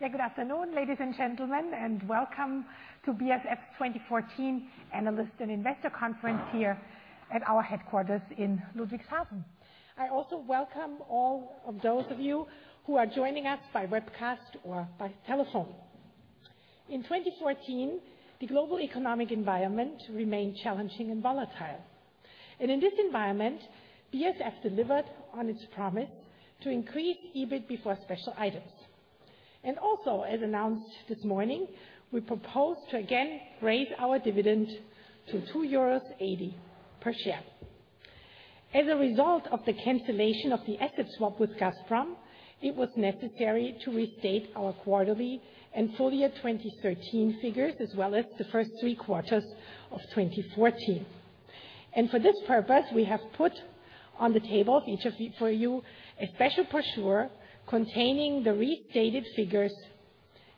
Yeah, good afternoon, ladies and gentlemen, and welcome to BASF's 2014 Analyst and Investor Conference here at our headquarters in Ludwigshafen. I also welcome all of those of you who are joining us by webcast or by telephone. In 2014, the global economic environment remained challenging and volatile. In this environment, BASF delivered on its promise to increase EBIT before special items. Also, as announced this morning, we propose to again raise our dividend to 2.80 euros per share. As a result of the cancellation of the asset swap with Gazprom, it was necessary to restate our quarterly and full-year 2013 figures, as well as the first three quarters of 2014. For this purpose, we have put on the table for each of you a special brochure containing the restated figures,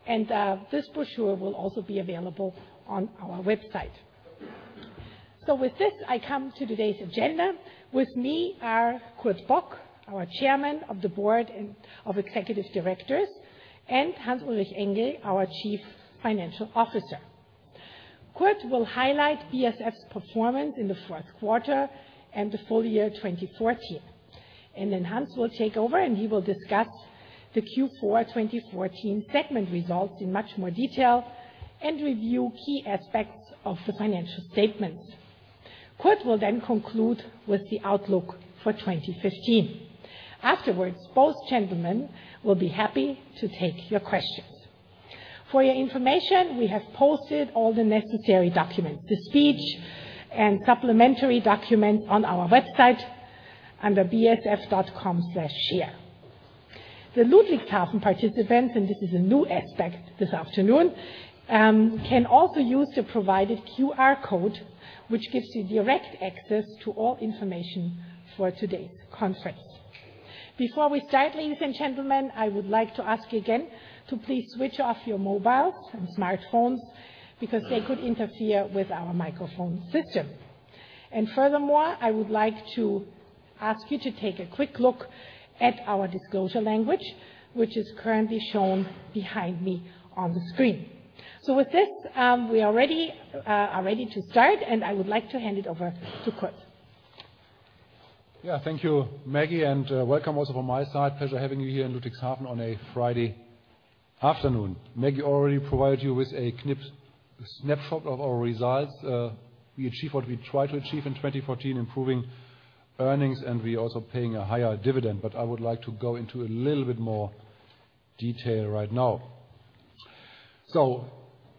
and this brochure will also be available on our website. With this, I come to today's agenda. With me are Kurt Bock, our Chairman of the Board of Executive Directors, and Hans-Ulrich Engel, our Chief Financial Officer. Kurt will highlight BASF's performance in the fourth quarter and the full year 2014. Hans will take over, and he will discuss the Q4 2014 segment results in much more detail and review key aspects of the financial statements. Kurt will then conclude with the outlook for 2015. Afterwards, both gentlemen will be happy to take your questions. For your information, we have posted all the necessary documents, the speech and supplementary document on our website under basf.com/share. The Ludwigshafen participants, and this is a new aspect this afternoon, can also use the provided QR code, which gives you direct access to all information for today's conference. Before we start, ladies and gentlemen, I would like to ask you again to please switch off your mobiles and smartphones because they could interfere with our microphone system. Furthermore, I would like to ask you to take a quick look at our disclosure language, which is currently shown behind me on the screen. With this, we are ready to start, and I would like to hand it over to Kurt. Yeah, thank you, Maggie, and welcome also from my side. Pleasure having you here in Ludwigshafen on a Friday afternoon. Maggie already provided you with a snapshot of our results. We achieved what we tried to achieve in 2014, improving earnings, and we're also paying a higher dividend, but I would like to go into a little bit more detail right now.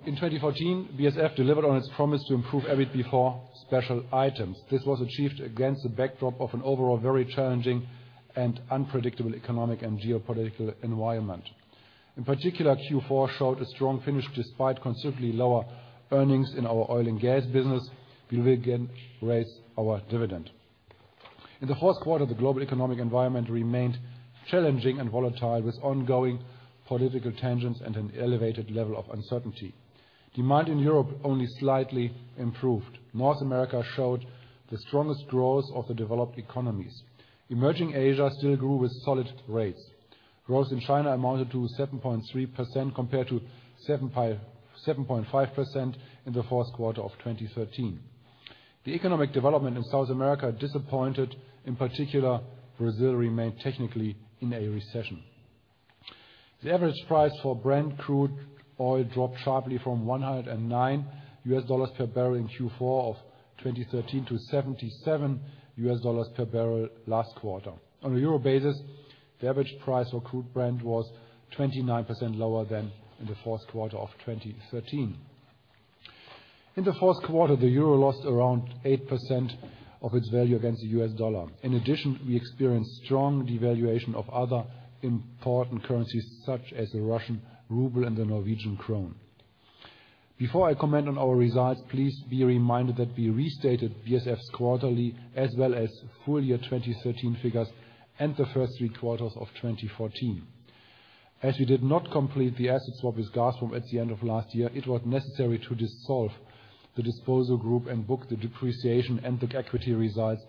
In 2014, BASF delivered on its promise to improve EBIT before special items. This was achieved against the backdrop of an overall very challenging and unpredictable economic and geopolitical environment. In particular, Q4 showed a strong finish despite considerably lower earnings in our oil and gas business. We will again raise our dividend. In the fourth quarter, the global economic environment remained challenging and volatile with ongoing political tensions and an elevated level of uncertainty. Demand in Europe only slightly improved. North America showed the strongest growth of the developed economies. Emerging Asia still grew with solid rates. Growth in China amounted to 7.3% compared to 7.5% in the fourth quarter of 2013. The economic development in South America disappointed. In particular, Brazil remained technically in a recession. The average price for Brent crude oil dropped sharply from $109 per barrel in Q4 of 2013 to $77 per barrel last quarter. On a year basis, the average price for crude Brent was 29% lower than in the fourth quarter of 2013. In the fourth quarter, the euro lost around 8% of its value against the US dollar. In addition, we experienced strong devaluation of other important currencies such as the Russian ruble and the Norwegian krone. Before I comment on our results, please be reminded that we restated BASF's quarterly as well as full year 2013 figures and the first three quarters of 2014. As we did not complete the asset swap with Gazprom at the end of last year, it was necessary to dissolve the disposal group and book the depreciation and the equity results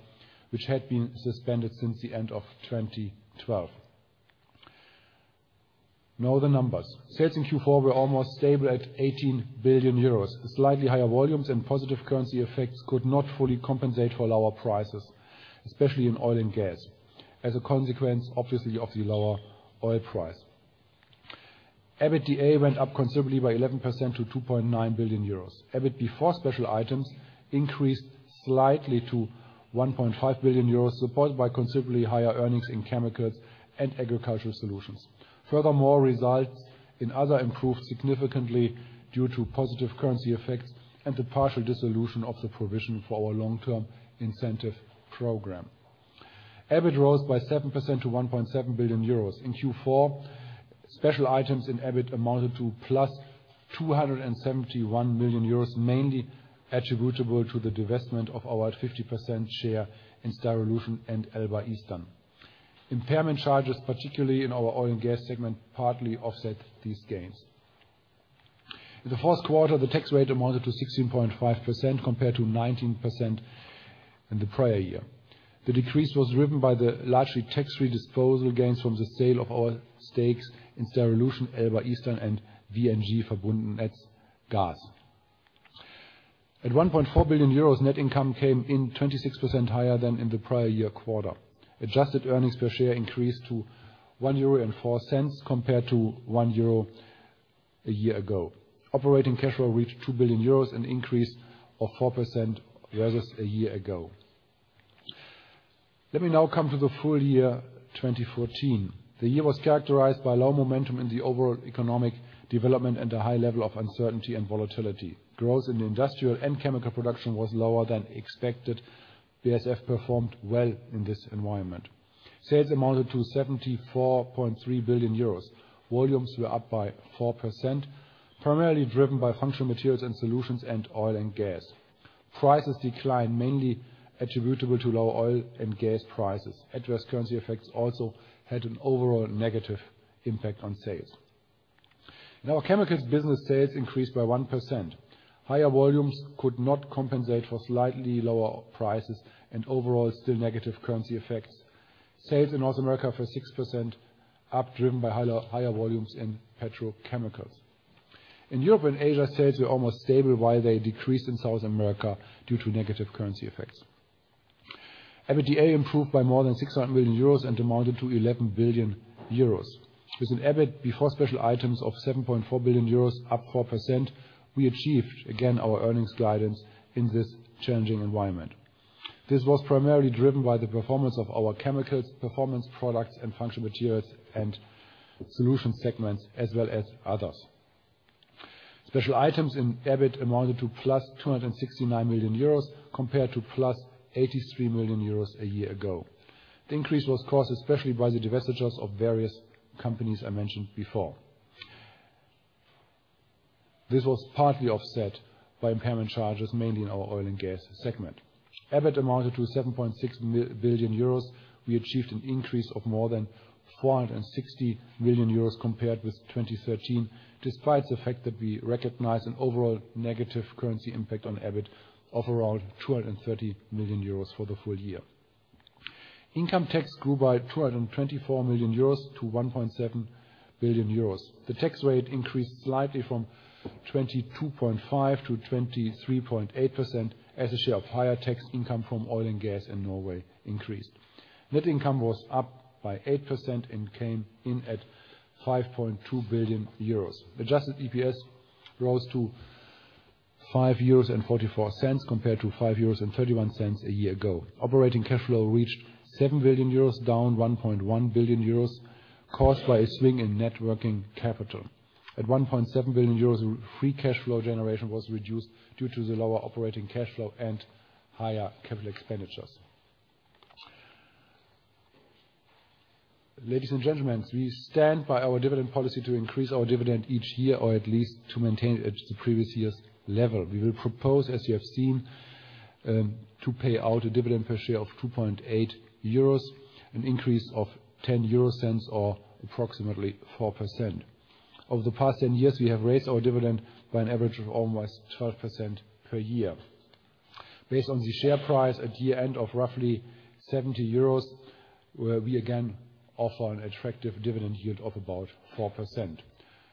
which had been suspended since the end of 2012. Now the numbers. Sales in Q4 were almost stable at 18 billion euros. The slightly higher volumes and positive currency effects could not fully compensate for lower prices, especially in oil and gas as a consequence, obviously, of the lower oil price. EBITDA went up considerably by 11% to 2.9 billion euros. EBIT before special items increased slightly to 1.5 billion euros, supported by considerably higher earnings in chemicals and agricultural solutions. Furthermore, results in other improved significantly due to positive currency effects and the partial dissolution of the provision for our long-term incentive program. EBIT rose by 7% to 1.7 billion euros. In Q4, special items in EBIT amounted to +271 million euros, mainly attributable to the divestment of our 50% share in Styrolution and Ellba Eastern. Impairment charges, particularly in our oil and gas segment, partly offset these gains. In the fourth quarter, the tax rate amounted to 16.5% compared to 19% in the prior year. The decrease was driven by the largely tax-free disposal gains from the sale of oil stakes in Stylution, ELLBA Eastern, and VNG Verbundnetz Gas. At 1.4 billion euros, net income came in 26% higher than in the prior year quarter. Adjusted earnings per share increased to 1.04 euro compared to 1 euro a year ago. Operating cash flow reached 2 billion euros, an increase of 4% versus a year ago. Let me now come to the full year 2014. The year was characterized by low momentum in the overall economic development and a high level of uncertainty and volatility. Growth in the industrial and chemical production was lower than expected. BASF performed well in this environment. Sales amounted to 74.3 billion euros. Volumes were up by 4%, primarily driven by functional materials and solutions and oil and gas. Prices declined, mainly attributable to lower oil and gas prices. Adverse currency effects also had an overall negative impact on sales. Now, chemicals business sales increased by 1%. Higher volumes could not compensate for slightly lower prices and overall still negative currency effects. Sales in North America were 6% up, driven by higher volumes in petrochemicals. In Europe and Asia, sales were almost stable, while they decreased in South America due to negative currency effects. EBITDA improved by more than 600 million euros and amounted to 11 billion euros. With an EBIT before special items of 7.4 billion euros, up 4%, we achieved again our earnings guidance in this challenging environment. This was primarily driven by the performance of our Chemicals, Performance Products, and Functional Materials and Solutions segments, as well as others. Special items in EBIT amounted to +269 million euros compared to +83 million euros a year ago. The increase was caused especially by the divestitures of various companies I mentioned before. This was partly offset by impairment charges, mainly in our oil and gas segment. EBIT amounted to 7.6 billion euros. We achieved an increase of more than 460 million euros compared with 2013, despite the fact that we recognized an overall negative currency impact on EBIT of around 230 million euros for the full year. Income tax grew by 224 million euros to 1.7 billion euros. The tax rate increased slightly from 22.5% to 23.8% as the share of higher-taxed income from oil and gas in Norway increased. Net income was up by 8% and came in at 5.2 billion euros. Adjusted EPS rose to 5.44 euros compared to 5.31 euros a year ago. Operating cash flow reached 7 billion euros, down 1.1 billion euros, caused by a swing in net working capital. 1.7 billion euros free cash flow generation was reduced due to the lower operating cash flow and higher capital expenditures. Ladies and gentlemen, we stand by our dividend policy to increase our dividend each year or at least to maintain it at the previous year's level. We will propose, as you have seen, to pay out a dividend per share of 2.8 euros, an increase of 10 euro cents or approximately 4%. Over the past 10 years, we have raised our dividend by an average of almost 12% per year. Based on the share price at year-end of roughly 70 euros, where we again offer an attractive dividend yield of about 4%.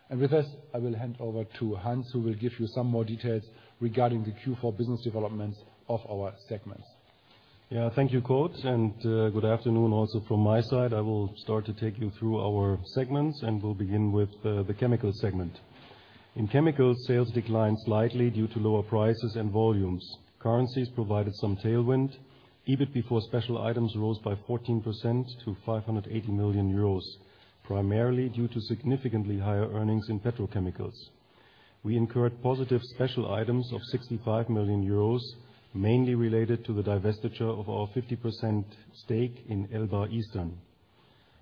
With this, I will hand over to Hans, who will give you some more details regarding the Q4 business developments of our segments. Yeah. Thank you, Kurt, and good afternoon also from my side. I will start to take you through our segments, and we'll begin with the Chemicals segment. In Chemicals, sales declined slightly due to lower prices and volumes. Currencies provided some tailwind. EBIT before special items rose by 14% to 580 million euros, primarily due to significantly higher earnings in Petrochemicals. We incurred positive special items of 65 million euros, mainly related to the divestiture of our 50% stake in Ellba Eastern.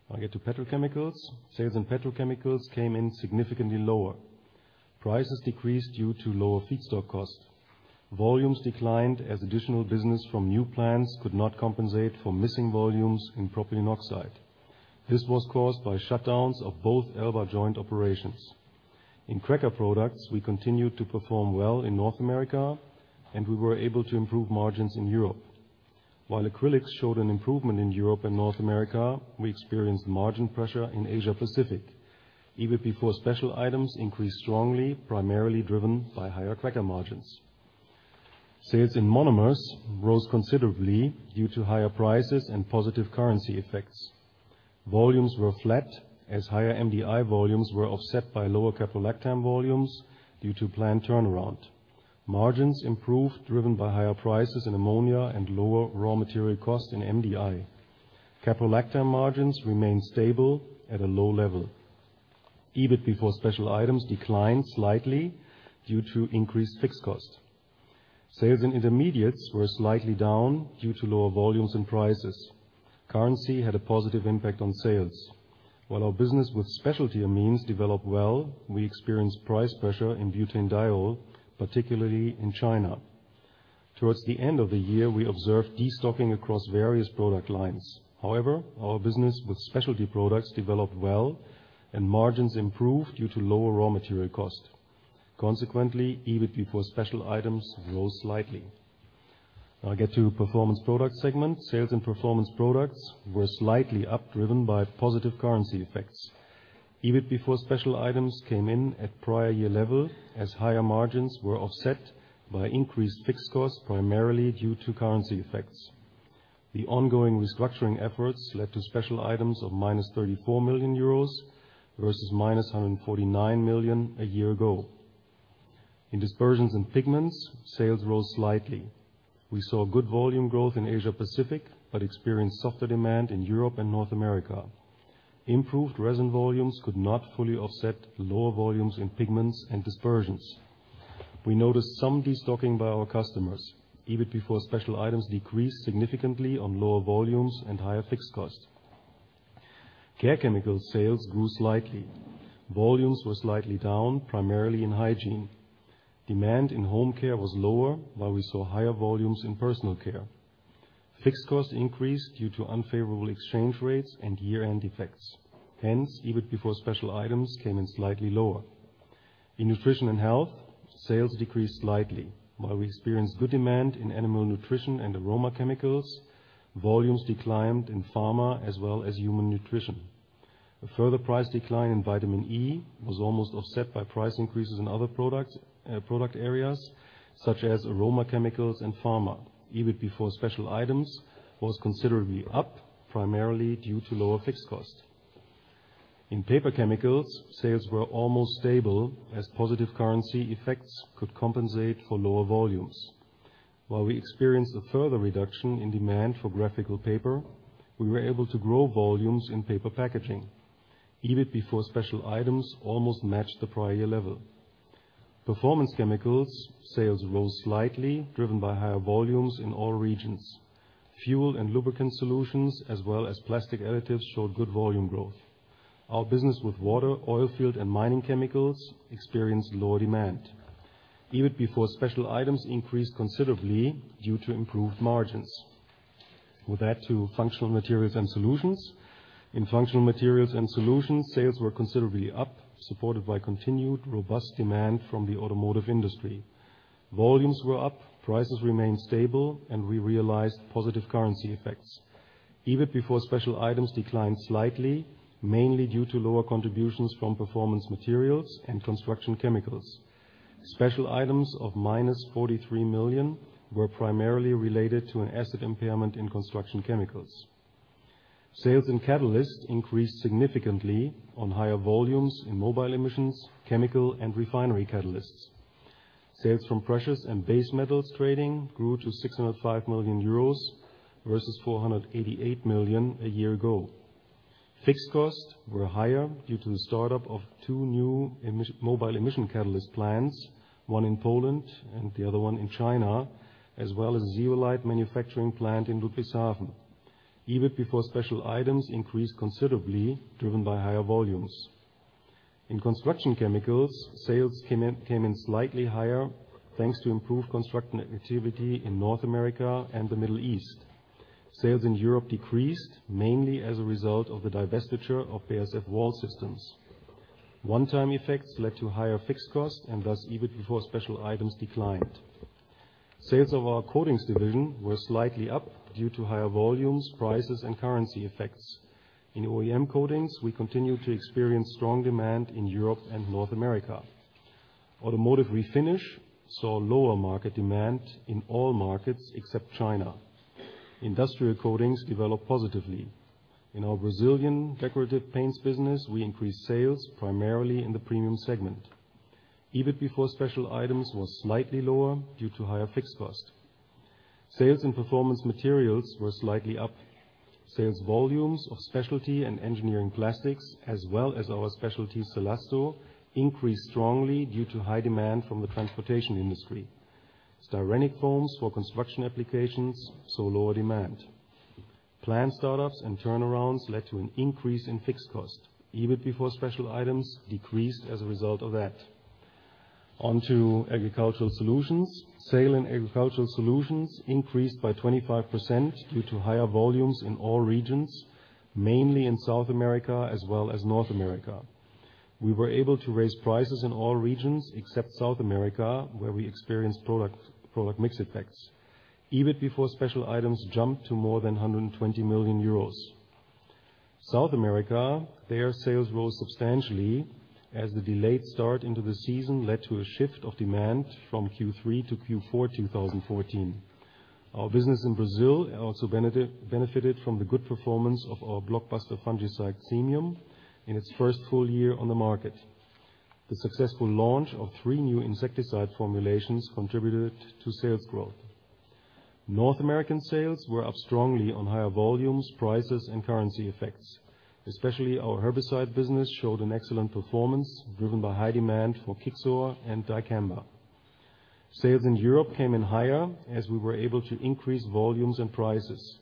Now I get to Petrochemicals. Sales in Petrochemicals came in significantly lower. Prices decreased due to lower feedstock costs. Volumes declined as additional business from new plants could not compensate for missing volumes in propylene oxide. This was caused by shutdowns of both Ellba joint operations. In cracker products, we continued to perform well in North America, and we were able to improve margins in Europe. While acrylics showed an improvement in Europe and North America, we experienced margin pressure in Asia Pacific. EBIT before special items increased strongly, primarily driven by higher cracker margins. Sales in monomers rose considerably due to higher prices and positive currency effects. Volumes were flat as higher MDI volumes were offset by lower caprolactam volumes due to plant turnaround. Margins improved, driven by higher prices in ammonia and lower raw material costs in MDI. Caprolactam margins remained stable at a low level. EBIT before special items declined slightly due to increased fixed costs. Sales in intermediates were slightly down due to lower volumes and prices. Currency had a positive impact on sales. While our business with specialty amines developed well, we experienced price pressure in butanediol, particularly in China. Towards the end of the year, we observed destocking across various product lines. However, our business with specialty products developed well and margins improved due to lower raw material cost. Consequently, EBIT before special items rose slightly. I get to Performance Products segment. Sales in Performance Products were slightly up, driven by positive currency effects. EBIT before special items came in at prior year level as higher margins were offset by increased fixed costs, primarily due to currency effects. The ongoing restructuring efforts led to special items of -34 million euros versus -149 million a year ago. In Dispersions and Pigments, sales rose slightly. We saw good volume growth in Asia Pacific, but experienced softer demand in Europe and North America. Improved resin volumes could not fully offset lower volumes in pigments and dispersions. We noticed some destocking by our customers. EBIT before special items decreased significantly on lower volumes and higher fixed cost. Care Chemicals sales grew slightly. Volumes were slightly down, primarily in hygiene. Demand in home care was lower, while we saw higher volumes in personal care. Fixed costs increased due to unfavorable exchange rates and year-end effects. Hence, EBIT before special items came in slightly lower. In Nutrition and Health, sales decreased slightly. While we experienced good demand in animal nutrition and aroma chemicals, volumes declined in pharma as well as human nutrition. A further price decline in vitamin E was almost offset by price increases in other product areas such as aroma chemicals and pharma. EBIT before special items was considerably up, primarily due to lower fixed cost. In Paper Chemicals, sales were almost stable as positive currency effects could compensate for lower volumes. While we experienced a further reduction in demand for graphical paper, we were able to grow volumes in paper packaging. EBIT before special items almost matched the prior year level. Performance Chemicals sales rose slightly, driven by higher volumes in all regions. Fuel and lubricant solutions, as well as plastic additives, showed good volume growth. Our business with water, oil field, and mining chemicals experienced lower demand. EBIT before special items increased considerably due to improved margins. With that, to Functional Materials and Solutions. In Functional Materials and Solutions, sales were considerably up, supported by continued robust demand from the automotive industry. Volumes were up, prices remained stable, and we realized positive currency effects. EBIT before special items declined slightly, mainly due to lower contributions from Performance Materials and Construction Chemicals. Special items of -43 million were primarily related to an asset impairment in Construction Chemicals. Sales in Catalysts increased significantly on higher volumes in mobile emissions, chemical, and refinery catalysts. Sales from precious and base metals trading grew to 605 million euros versus 488 million a year ago. Fixed costs were higher due to the start-up of two new mobile emission catalyst plants, one in Poland and the other one in China, as well as a zeolite manufacturing plant in Ludwigshafen. EBIT before special items increased considerably, driven by higher volumes. In Construction Chemicals, sales came in slightly higher, thanks to improved construction activity in North America and the Middle East. Sales in Europe decreased, mainly as a result of the divestiture of BASF Wall Systems. One-time effects led to higher fixed costs, and thus EBIT before special items declined. Sales of our Coatings division were slightly up due to higher volumes, prices, and currency effects. In OEM Coatings, we continued to experience strong demand in Europe and North America. Automotive Refinish saw lower market demand in all markets except China. Industrial Coatings developed positively. In our Brazilian decorative paints business, we increased sales primarily in the premium segment. EBIT before special items was slightly lower due to higher fixed costs. Sales in Performance Materials were slightly up. Sales volumes of specialty and engineering plastics, as well as our specialty Cellasto, increased strongly due to high demand from the transportation industry. Styrenic foams for construction applications saw lower demand. Plant start-ups and turnarounds led to an increase in fixed cost. EBIT before special items decreased as a result of that. On to Agricultural Solutions. Sales in Agricultural Solutions increased by 25% due to higher volumes in all regions, mainly in South America as well as North America. We were able to raise prices in all regions except South America, where we experienced product mix effects. EBIT before special items jumped to more than 120 million euros. South American sales rose substantially as the delayed start into the season led to a shift of demand from Q3 to Q4 2014. Our business in Brazil also benefited from the good performance of our blockbuster fungicide, Xemium, in its first full year on the market. The successful launch of 3 new insecticide formulations contributed to sales growth. North American sales were up strongly on higher volumes, prices, and currency effects, especially our herbicide business showed an excellent performance driven by high demand for Kixor and dicamba. Sales in Europe came in higher as we were able to increase volumes and prices.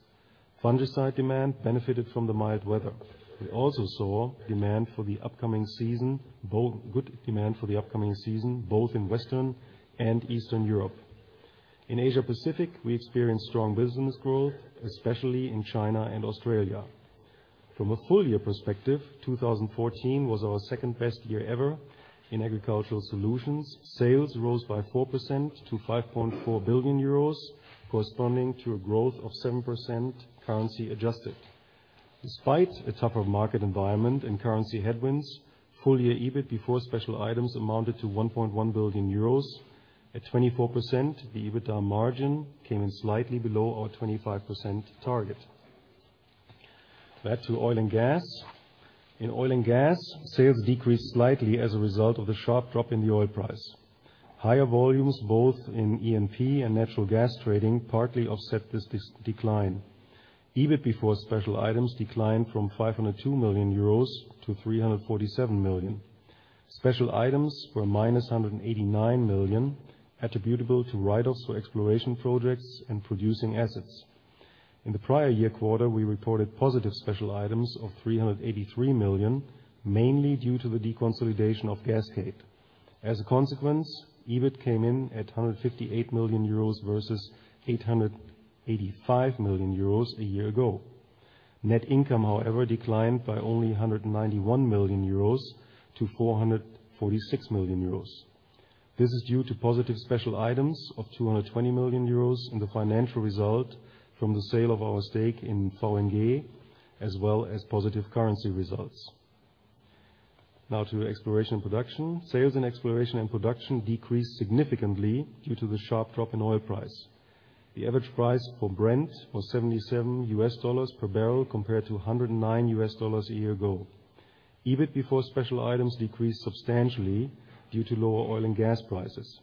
Fungicide demand benefited from the mild weather. We also saw good demand for the upcoming season, both in Western and Eastern Europe. In Asia-Pacific, we experienced strong business growth, especially in China and Australia. From a full year perspective, 2014 was our second-best year ever in agricultural solutions. Sales rose by 4% to 5.4 billion euros, corresponding to a growth of 7% currency-adjusted. Despite a tougher market environment and currency headwinds, full year EBIT before special items amounted to 1.1 billion euros. At 24%, the EBITDA margin came in slightly below our 25% target. Back to oil and gas. In oil and gas, sales decreased slightly as a result of the sharp drop in the oil price. Higher volumes, both in E&P and natural gas trading, partly offset this decline. EBIT before special items declined from 502 million euros to 347 million. Special items were -189 million, attributable to write-offs for exploration projects and producing assets. In the prior year quarter, we reported positive special items of 383 million, mainly due to the deconsolidation of Gascade. As a consequence, EBIT came in at 158 million euros versus 885 million euros a year ago. Net income, however, declined by only 191 million euros to 446 million euros. This is due to positive special items of 220 million euros in the financial result from the sale of our stake in VNG, as well as positive currency results. Now to exploration and production. Sales in exploration and production decreased significantly due to the sharp drop in oil price. The average price for Brent was $77 per barrel compared to $109 a year ago. EBIT before special items decreased substantially due to lower oil and gas prices.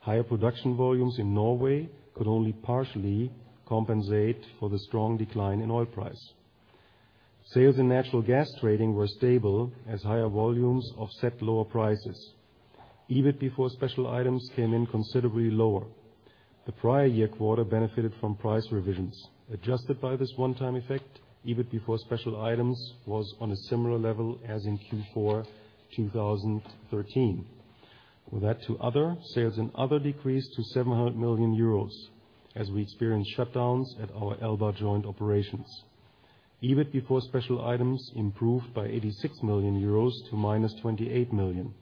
Higher production volumes in Norway could only partially compensate for the strong decline in oil price. Sales in natural gas trading were stable as higher volumes offset lower prices. EBIT before special items came in considerably lower. The prior year quarter benefited from price revisions. Adjusted by this one-time effect, EBIT before special items was on a similar level as in Q4 2013. With that, to Other, sales in Other decreased to 700 million euros as we experienced shutdowns at our Ellba joint operations. EBIT before special items improved by 86 million euros to -28 million.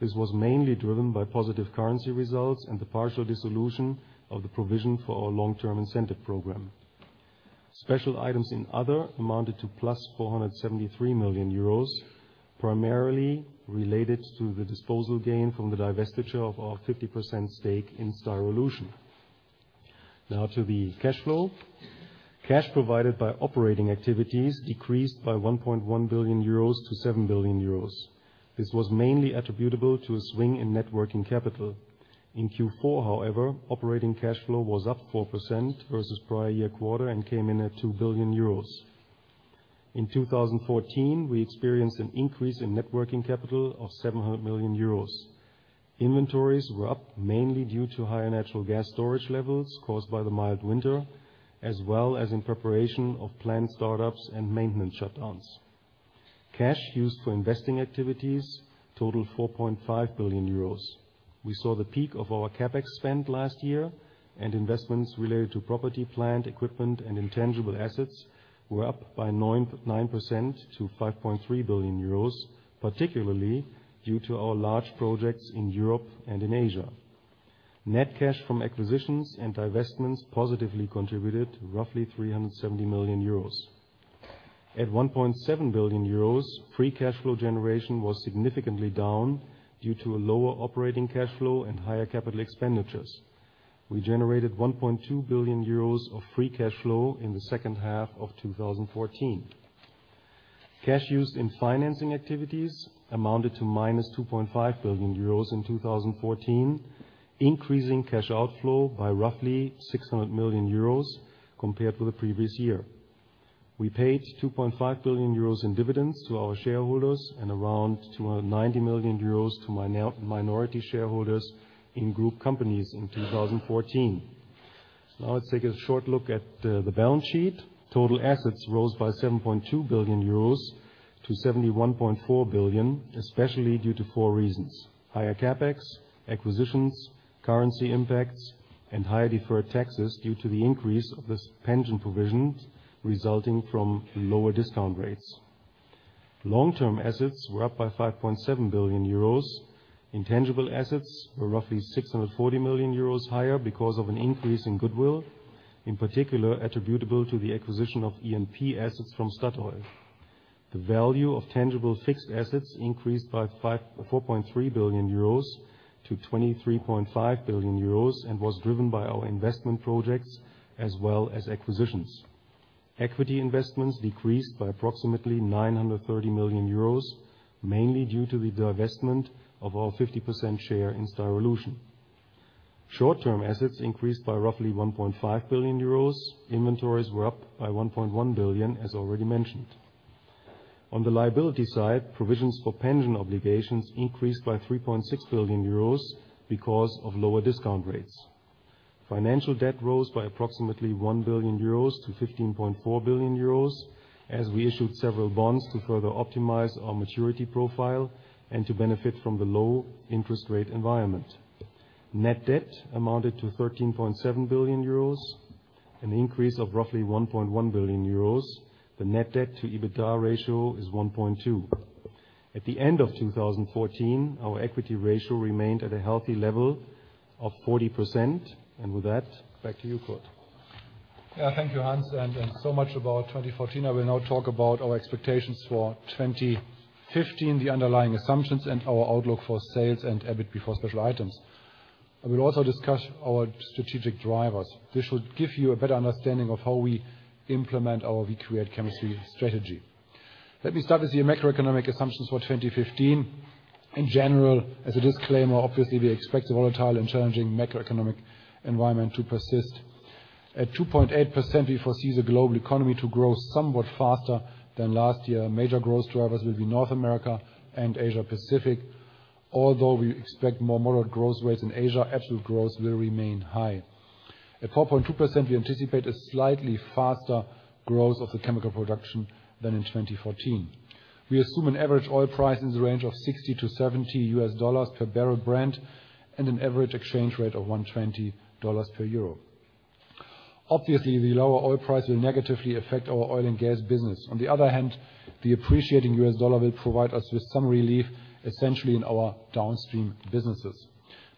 This was mainly driven by positive currency results and the partial dissolution of the provision for our long-term incentive program. Special items in other amounted to +473 million euros, primarily related to the disposal gain from the divestiture of our 50% stake in Styrolution. Now to the cash flow. Cash provided by operating activities decreased by 1.1 billion euros to 7 billion euros. This was mainly attributable to a swing in net working capital. In Q4, however, operating cash flow was up 4% versus prior-year quarter and came in at 2 billion euros. In 2014, we experienced an increase in net working capital of 700 million euros. Inventories were up mainly due to higher natural gas storage levels caused by the mild winter, as well as in preparation of planned startups and maintenance shutdowns. Cash used for investing activities totaled 4.5 billion euros. We saw the peak of our CapEx spend last year, and investments related to property, plant, equipment, and intangible assets were up by 9.9% to 5.3 billion euros, particularly due to our large projects in Europe and in Asia. Net cash from acquisitions and divestments positively contributed to roughly 370 million euros. At 1.7 billion euros, free cash flow generation was significantly down due to a lower operating cash flow and higher capital expenditures. We generated 1.2 billion euros of free cash flow in the second half of 2014. Cash used in financing activities amounted to minus 2.5 billion euros in 2014, increasing cash outflow by roughly 600 million euros compared to the previous year. We paid 2.5 billion euros in dividends to our shareholders and around 290 million euros to minority shareholders in group companies in 2014. Now let's take a short look at the balance sheet. Total assets rose by 7.2 billion euros to 71.4 billion, especially due to four reasons, higher CapEx, acquisitions, currency impacts, and higher deferred taxes due to the increase of this pension provision resulting from lower discount rates. Long-term assets were up by 5.7 billion euros. Intangible assets were roughly 640 million euros higher because of an increase in goodwill, in particular attributable to the acquisition of ENP assets from Statoil. The value of tangible fixed assets increased by 4.3 billion euros to 23.5 billion euros and was driven by our investment projects as well as acquisitions. Equity investments decreased by approximately 930 million euros, mainly due to the divestment of our 50% share in Styrolution. Short-term assets increased by roughly 1.5 billion euros. Inventories were up by 1.1 billion, as already mentioned. On the liability side, provisions for pension obligations increased by 3.6 billion euros because of lower discount rates. Financial debt rose by approximately 1 billion euros to 15.4 billion euros as we issued several bonds to further optimize our maturity profile and to benefit from the low interest rate environment. Net debt amounted to 13.7 billion euros, an increase of roughly 1.1 billion euros. The net debt to EBITDA ratio is 1.2. At the end of 2014, our equity ratio remained at a healthy level of 40%. With that, back to you, Kurt. Yeah. Thank you, Hans, and so much about 2014. I will now talk about our expectations for 2015, the underlying assumptions, and our outlook for sales and EBIT before special items. I will also discuss our strategic drivers. This should give you a better understanding of how we implement our We Create Chemistry strategy. Let me start with the macroeconomic assumptions for 2015. In general, as a disclaimer, obviously, we expect the volatile and challenging macroeconomic environment to persist. At 2.8%, we foresee the global economy to grow somewhat faster than last year. Major growth drivers will be North America and Asia-Pacific. Although we expect more moderate growth rates in Asia, absolute growth will remain high. At 4.2%, we anticipate a slightly faster growth of the chemical production than in 2014. We assume an average oil price in the range of $60-$70 per barrel Brent and an average exchange rate of $1.20 per euro. Obviously, the lower oil price will negatively affect our oil and gas business. On the other hand, the appreciating US dollar will provide us with some relief, essentially in our downstream businesses.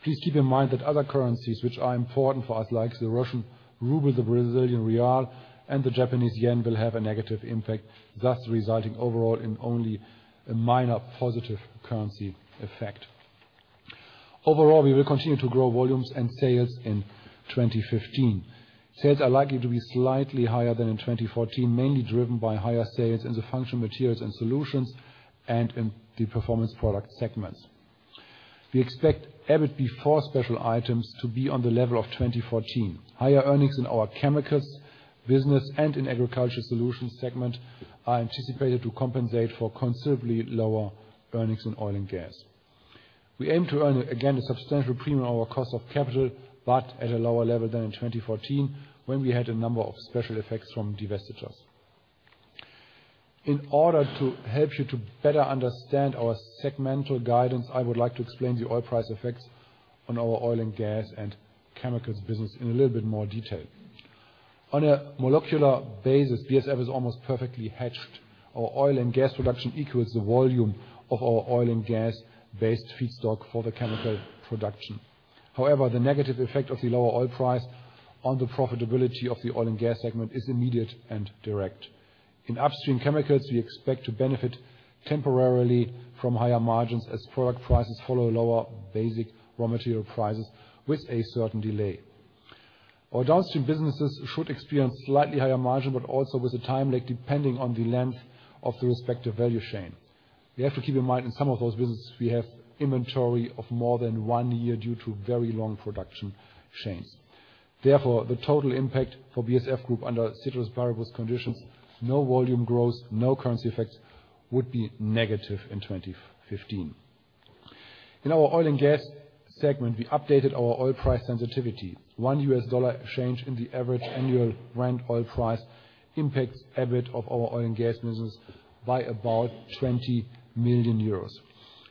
Please keep in mind that other currencies which are important for us, like the Russian ruble, the Brazilian real, and the Japanese yen, will have a negative impact, thus resulting overall in only a minor positive currency effect. Overall, we will continue to grow volumes and sales in 2015. Sales are likely to be slightly higher than in 2014, mainly driven by higher sales in the Functional Materials & Solutions and in the Performance Products segments. We expect EBIT before special items to be on the level of 2014. Higher earnings in our Chemicals business and in Agricultural Solutions segment are anticipated to compensate for considerably lower earnings in Oil & Gas. We aim to earn, again, a substantial premium on our cost of capital, but at a lower level than in 2014 when we had a number of special effects from divestitures. In order to help you to better understand our segmental guidance, I would like to explain the oil price effects on our Oil & Gas and Chemicals business in a little bit more detail. On a molecular basis, BASF is almost perfectly hedged. Our oil and gas production equals the volume of our oil and gas-based feedstock for the chemical production. However, the negative effect of the lower oil price on the profitability of the Oil and Gas segment is immediate and direct. In upstream chemicals, we expect to benefit temporarily from higher margins as product prices follow lower basic raw material prices with a certain delay. Our downstream businesses should experience slightly higher margin, but also with a time lag, depending on the length of the respective value chain. We have to keep in mind, in some of those businesses, we have inventory of more than one year due to very long production chains. Therefore, the total impact for BASF Group under ceteris paribus conditions, no volume growth, no currency effects, would be negative in 2015. In our Oil and Gas segment, we updated our oil price sensitivity. One US dollar change in the average annual Brent oil price impacts EBIT of our oil and gas business by about 20 million euros.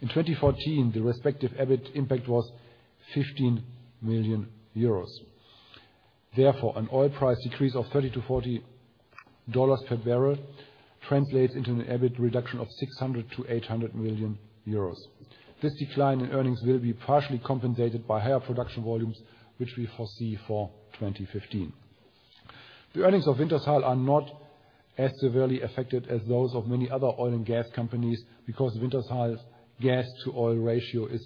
In 2014, the respective EBIT impact was 15 million euros. Therefore, an oil price decrease of $30-$40 per barrel translates into an EBIT reduction of 600 million-800 million euros. This decline in earnings will be partially compensated by higher production volumes, which we foresee for 2015. The earnings of Wintershall are not as severely affected as those of many other oil and gas companies because Wintershall's gas-to-oil ratio is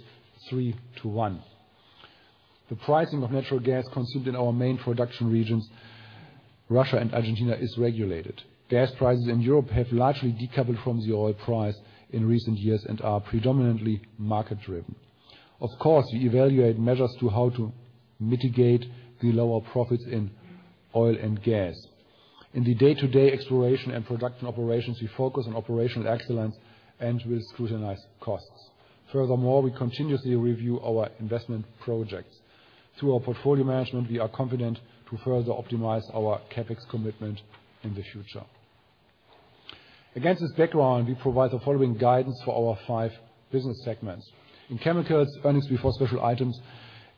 3-to-1. The pricing of natural gas consumed in our main production regions, Russia and Argentina, is regulated. Gas prices in Europe have largely decoupled from the oil price in recent years and are predominantly market-driven. Of course, we evaluate measures to how to mitigate the lower profits in oil and gas. In the day-to-day exploration and production operations, we focus on operational excellence and we scrutinize costs. Furthermore, we continuously review our investment projects. Through our portfolio management, we are confident to further optimize our CapEx commitment in the future. Against this background, we provide the following guidance for our five business segments. In chemicals, earnings before special items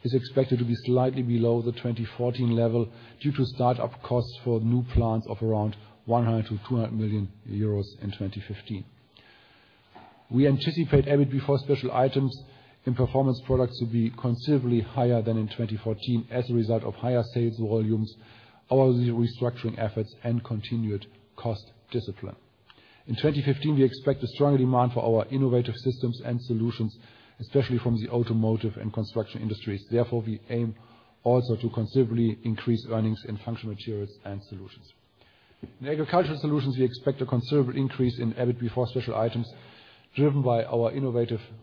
is expected to be slightly below the 2014 level due to start-up costs for new plants of around 100 million-200 million euros in 2015. We anticipate EBIT before special items in performance products will be considerably higher than in 2014 as a result of higher sales volumes, our zero restructuring efforts, and continued cost discipline. In 2015, we expect a strong demand for our innovative systems and solutions, especially from the automotive and construction industries. Therefore, we aim also to considerably increase earnings in Functional Materials and Solutions. In Agricultural Solutions, we expect a considerable increase in EBIT before special items driven by our innovative products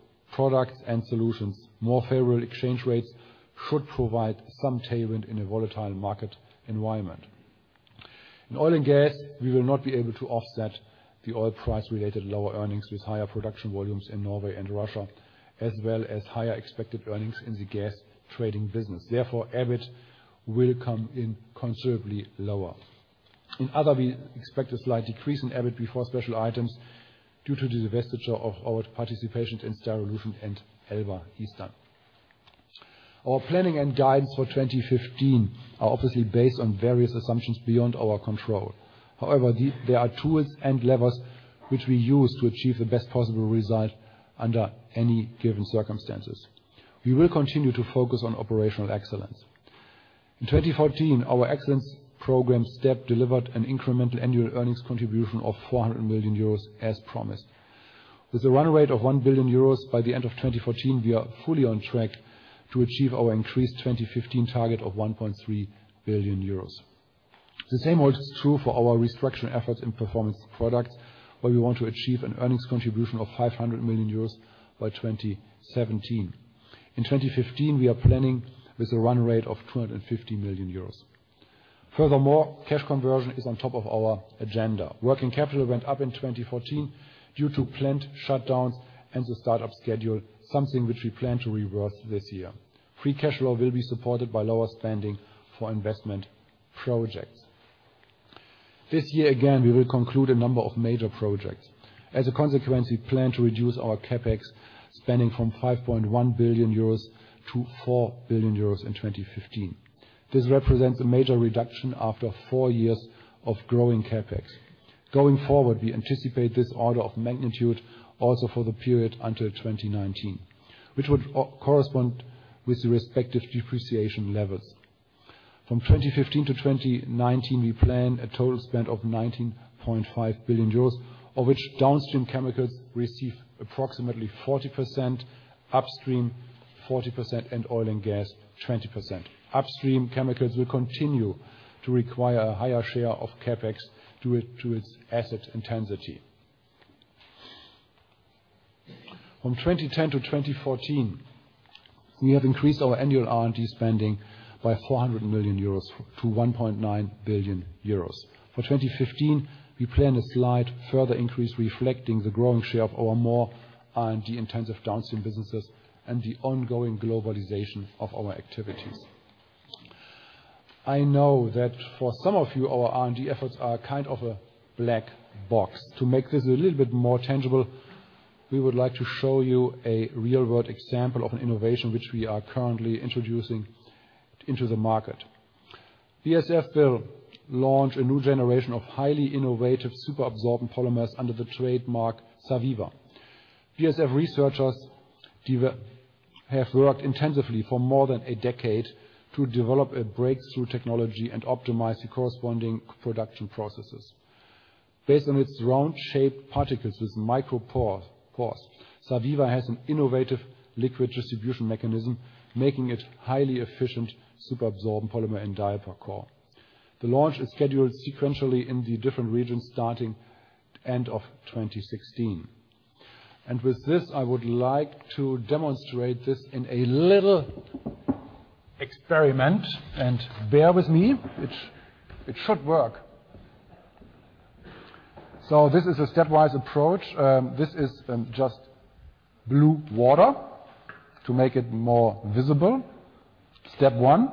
and solutions. More favorable exchange rates should provide some tailwind in a volatile market environment. In Oil and Gas, we will not be able to offset the oil price-related lower earnings with higher production volumes in Norway and Russia, as well as higher expected earnings in the gas trading business. Therefore, EBIT will come in considerably lower. In Other, we expect a slight decrease in EBIT before special items due to the divestiture of our participation in Styrolution and Ellba Eastern. Our planning and guidance for 2015 are obviously based on various assumptions beyond our control. However, there are tools and levers which we use to achieve the best possible result under any given circumstances. We will continue to focus on operational excellence. In 2014, our excellence program STEP delivered an incremental annual earnings contribution of 400 million euros as promised. With a run rate of 1 billion euros by the end of 2014, we are fully on track to achieve our increased 2015 target of 1.3 billion euros. The same holds true for our restructuring efforts in performance products, where we want to achieve an earnings contribution of 500 million euros by 2017. In 2015, we are planning with a run rate of 250 million euros. Furthermore, cash conversion is on top of our agenda. Working capital went up in 2014 due to plant shutdowns and the startup schedule, something which we plan to reverse this year. Free cash flow will be supported by lower spending for investment projects. This year again, we will conclude a number of major projects. As a consequence, we plan to reduce our CapEx spending from 5.1 billion euros to 4 billion euros in 2015. This represents a major reduction after four years of growing CapEx. Going forward, we anticipate this order of magnitude also for the period until 2019, which would correspond with the respective depreciation levels. From 2015 to 2019, we plan a total spend of 19.5 billion euros, of which downstream chemicals receive approximately 40%, upstream 40%, and oil and gas 20%. Upstream chemicals will continue to require a higher share of CapEx due to its asset intensity. From 2010 to 2014, we have increased our annual R&D spending by 400 million euros to 1.9 billion euros. For 2015, we plan a slight further increase reflecting the growing share of our more R&D-intensive downstream businesses and the ongoing globalization of our activities. I know that for some of you, our R&D efforts are kind of a black box. To make this a little bit more tangible, we would like to show you a real-world example of an innovation which we are currently introducing into the market. BASF will launch a new generation of highly innovative super absorbent polymers under the trademark SAVIVA. BASF researchers have worked intensively for more than a decade to develop a breakthrough technology and optimize the corresponding production processes. Based on its round shape particles with micropores, SAVIVA has an innovative liquid distribution mechanism, making it highly efficient super absorbent polymer and diaper core. The launch is scheduled sequentially in the different regions starting end of 2016. With this, I would like to demonstrate this in a little experiment and bear with me. It should work. This is a stepwise approach. This is just blue water to make it more visible. Step 1.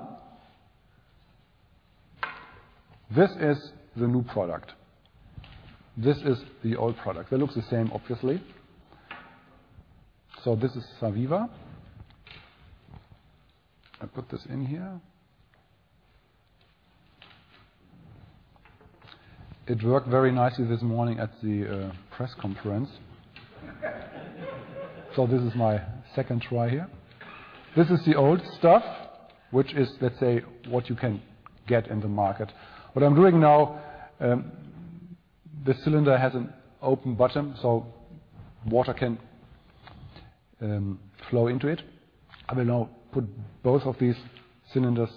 This is the new product. This is the old product. It looks the same, obviously. This is SAVIVA. I put this in here. It worked very nicely this morning at the press conference. This is the old stuff, which is, let's say, what you can get in the market. What I'm doing now, the cylinder has an open bottom, so water can flow into it. I will now put both of these cylinders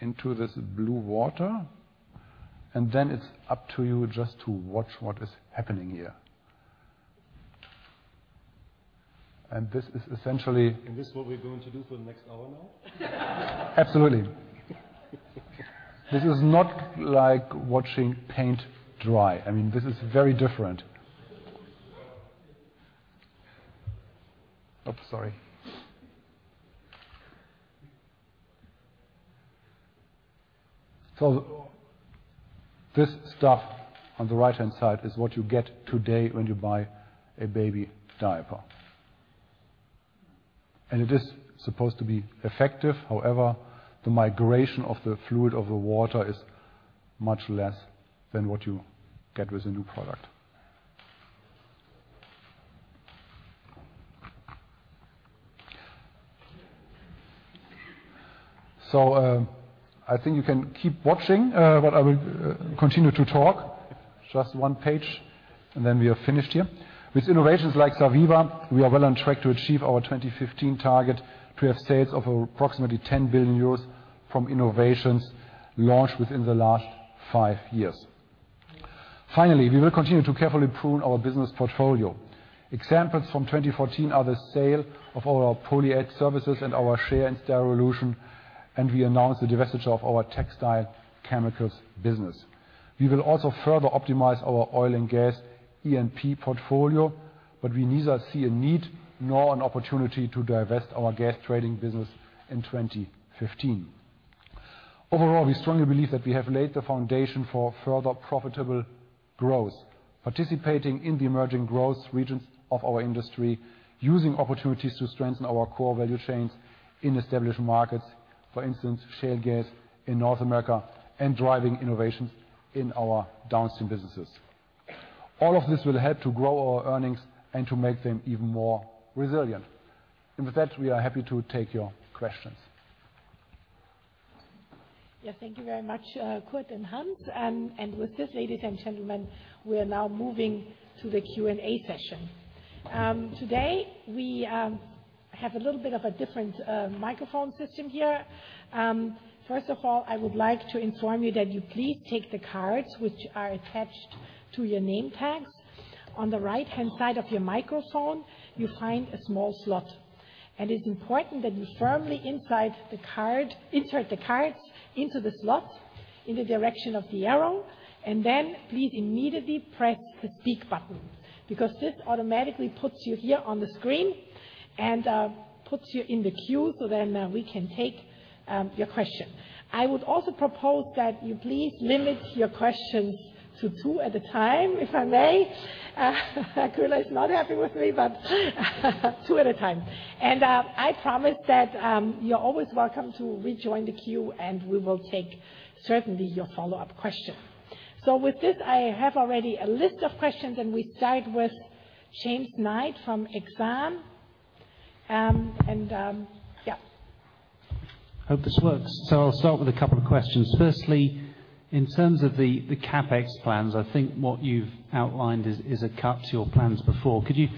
into this blue water, and then it's up to you just to watch what is happening here. This is essentially This is what we're going to do for the next hour now? Absolutely. This is not like watching paint dry. I mean, this is very different. Oops, sorry. This stuff on the right-hand side is what you get today when you buy a baby diaper. It is supposed to be effective. However, the migration of the fluid of the water is much less than what you get with the new product. I think you can keep watching, but I will continue to talk. Just one page, and then we are finished here. With innovations like SAVIVA, we are well on track to achieve our 2015 target to have sales of approximately 10 billion euros from innovations launched within the last five years. Finally, we will continue to carefully prune our business portfolio. Examples from 2014 are the sale of our PolyAd Services and our share in Styrolution, and we announced the divestiture of our textile chemicals business. We will also further optimize our oil and gas E&P portfolio, but we neither see a need nor an opportunity to divest our gas trading business in 2015. Overall, we strongly believe that we have laid the foundation for further profitable growth, participating in the emerging growth regions of our industry, using opportunities to strengthen our core value chains in established markets, for instance, shale gas in North America, and driving innovations in our downstream businesses. All of this will help to grow our earnings and to make them even more resilient. With that, we are happy to take your questions. Yes, thank you very much, Kurt and Hans. With this, ladies and gentlemen, we are now moving to the Q&A session. Today we have a little bit of a different microphone system here. First of all, I would like to inform you that you please take the cards which are attached to your name tags. On the right-hand side of your microphone, you find a small slot, and it's important that you insert the cards into the slot in the direction of the arrow, and then please immediately press the speak button because this automatically puts you here on the screen and puts you in the queue so then we can take your question. I would also propose that you please limit your questions to two at a time, if I may. Akula is not happy with me, but two at a time. I promise that you're always welcome to rejoin the queue, and we will take certainly your follow-up question. With this, I have already a list of questions, and we start with James Knight from Exane. Hope this works. I'll start with a couple of questions. Firstly, in terms of the CapEx plans, I think what you've outlined is a cut to your plans before. Could you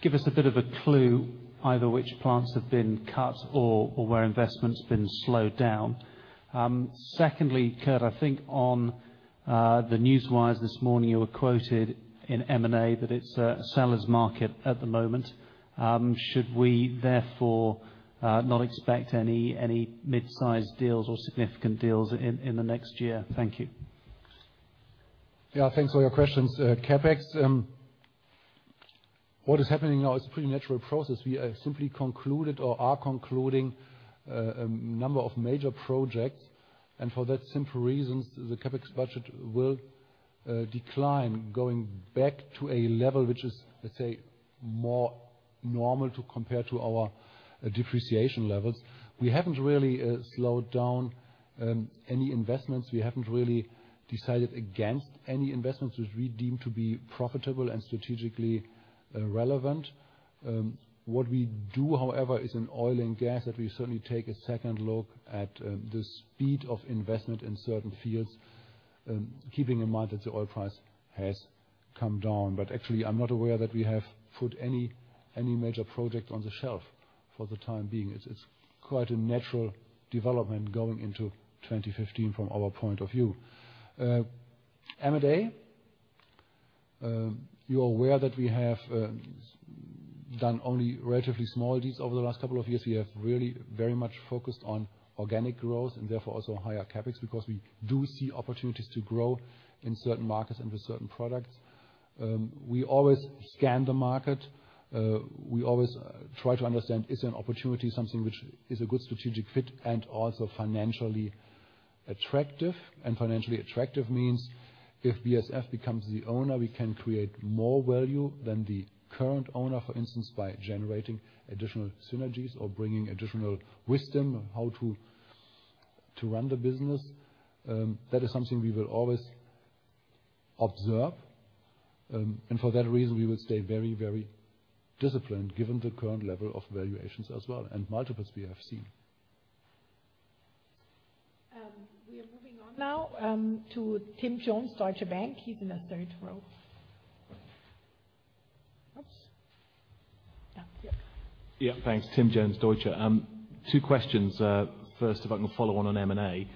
give us a bit of a clue either which plans have been cut or where investment's been slowed down? Secondly, Kurt, I think on the news wire this morning, you were quoted in M&A that it's a seller's market at the moment. Should we therefore not expect any mid-sized deals or significant deals in the next year? Thank you. Yeah, thanks for your questions. CapEx, what is happening now is a pretty natural process. We have simply concluded or are concluding a number of major projects, and for that simple reason, the CapEx budget will decline going back to a level which is, let's say, more normal to compare to our depreciation levels. We haven't really slowed down any investments. We haven't really decided against any investments which we deem to be profitable and strategically relevant. What we do, however, is in oil and gas, that we certainly take a second look at the speed of investment in certain fields, keeping in mind that the oil price has come down. Actually, I'm not aware that we have put any major project on the shelf for the time being. It's quite a natural development going into 2015 from our point of view. M&A, you're aware that we have done only relatively small deals over the last couple of years. We have really very much focused on organic growth and therefore also higher CapEx because we do see opportunities to grow in certain markets and with certain products. We always scan the market. We always try to understand is an opportunity something which is a good strategic fit and also financially attractive. Financially attractive means if BASF becomes the owner, we can create more value than the current owner, for instance, by generating additional synergies or bringing additional wisdom on how to run the business. That is something we will always observe. For that reason, we will stay very, very disciplined given the current level of valuations as well and multiples we have seen. We are moving on now to Tim Jones, Deutsche Bank. He's in the third row. Oops. Yeah. Yeah, thanks. Tim Jones, Deutsche. Two questions. First, if I can follow on M&A.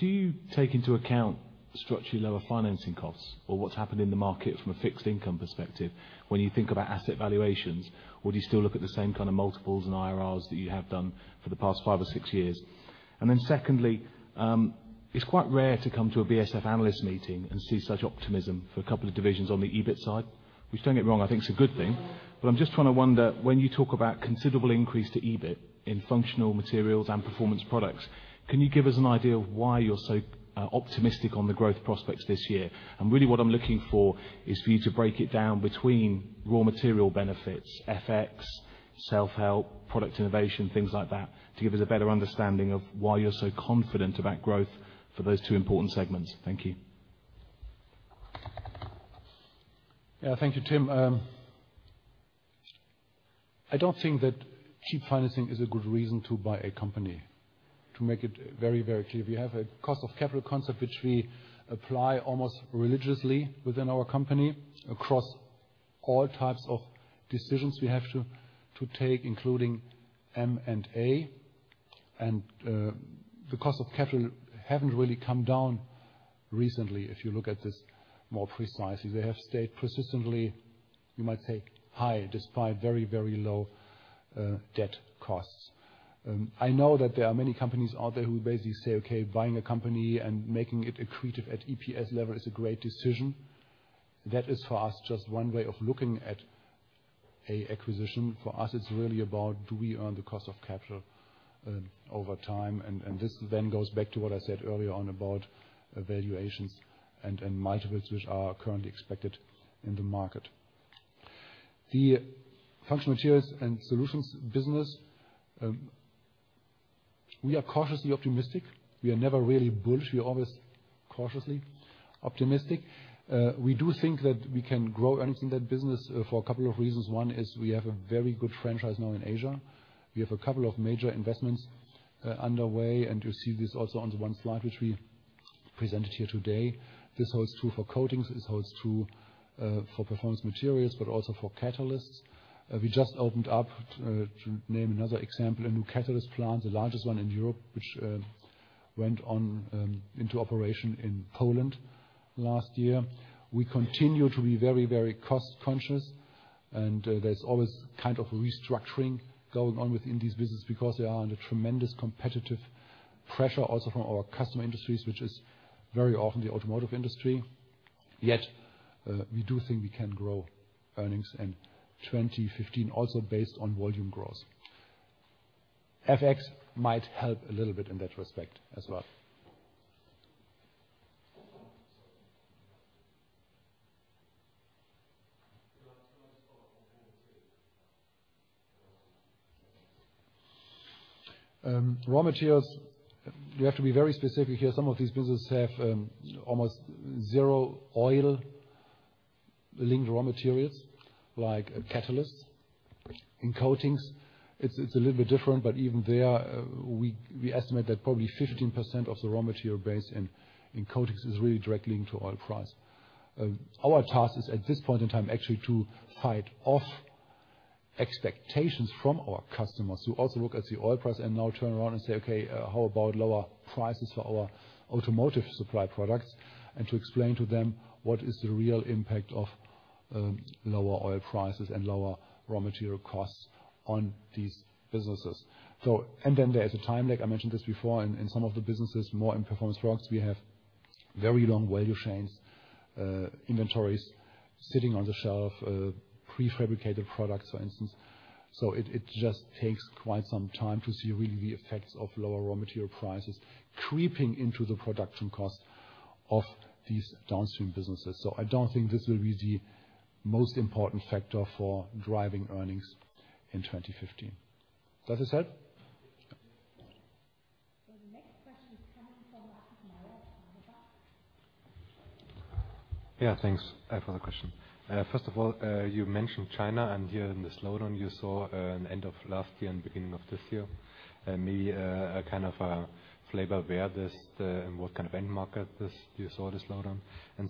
Do you take into account structurally lower financing costs or what's happened in the market from a fixed income perspective when you think about asset valuations? Or do you still look at the same kind of multiples and IRRs that you have done for the past five or six years? Secondly, it's quite rare to come to a BASF analyst meeting and see such optimism for a couple of divisions on the EBIT side, which don't get me wrong, I think it's a good thing. I'm just trying to wonder when you talk about considerable increase to EBIT in functional materials and performance products, can you give us an idea of why you're so optimistic on the growth prospects this year? Really what I'm looking for is for you to break it down between raw material benefits, FX, self-help, product innovation, things like that, to give us a better understanding of why you're so confident about growth for those two important segments. Thank you. Yeah. Thank you, Tim. I don't think that cheap financing is a good reason to buy a company, to make it very, very clear. We have a cost of capital concept which we apply almost religiously within our company across all types of decisions we have to take, including M&A. The cost of capital haven't really come down recently. If you look at this more precisely, they have stayed persistently, you might say, high despite very, very low debt costs. I know that there are many companies out there who basically say, "Okay, buying a company and making it accretive at EPS level is a great decision." That is for us, just one way of looking at a acquisition. For us, it's really about do we earn the cost of capital over time? This then goes back to what I said earlier on about evaluations and multiples which are currently expected in the market. The Functional Materials and Solutions business, we are cautiously optimistic. We are never really bullish. We're always cautiously optimistic. We do think that we can grow earnings in that business, for a couple of reasons. One is we have a very good franchise now in Asia. We have a couple of major investments, underway, and you see this also on the one slide which we presented here today. This holds true for coatings, for performance materials, but also for catalysts. We just opened up, to name another example, a new catalyst plant, the largest one in Europe, which went on into operation in Poland last year. We continue to be very, very cost-conscious, and there's always kind of restructuring going on within these businesses because they are under tremendous competitive pressure also from our customer industries, which is very often the automotive industry. Yet, we do think we can grow earnings in 2015 also based on volume growth. FX might help a little bit in that respect as well. Raw materials, we have to be very specific here. Some of these businesses have almost zero oil-linked raw materials like catalysts. In coatings, it's a little bit different, but even there, we estimate that probably 15% of the raw material base in coatings is really directly linked to oil price. Our task is, at this point in time, actually to fight off expectations from our customers who also look at the oil price and now turn around and say, "Okay, how about lower prices for our automotive supply products?" To explain to them what is the real impact of lower oil prices and lower raw material costs on these businesses. Then there is a time lag, I mentioned this before, in some of the businesses, more in Performance Products, we have very long value chains, inventories sitting on the shelf, prefabricated products, for instance. It just takes quite some time to see really the effects of lower raw material prices creeping into the production costs of these downstream businesses. I don't think this will be the most important factor for driving earnings in 2015. Does this help? The next question is coming from Yeah, thanks. I have a question. First of all, you mentioned China, and here in the slowdown you saw in end of last year and beginning of this year. Maybe kind of flavor where this what kind of end market this you saw the slowdown?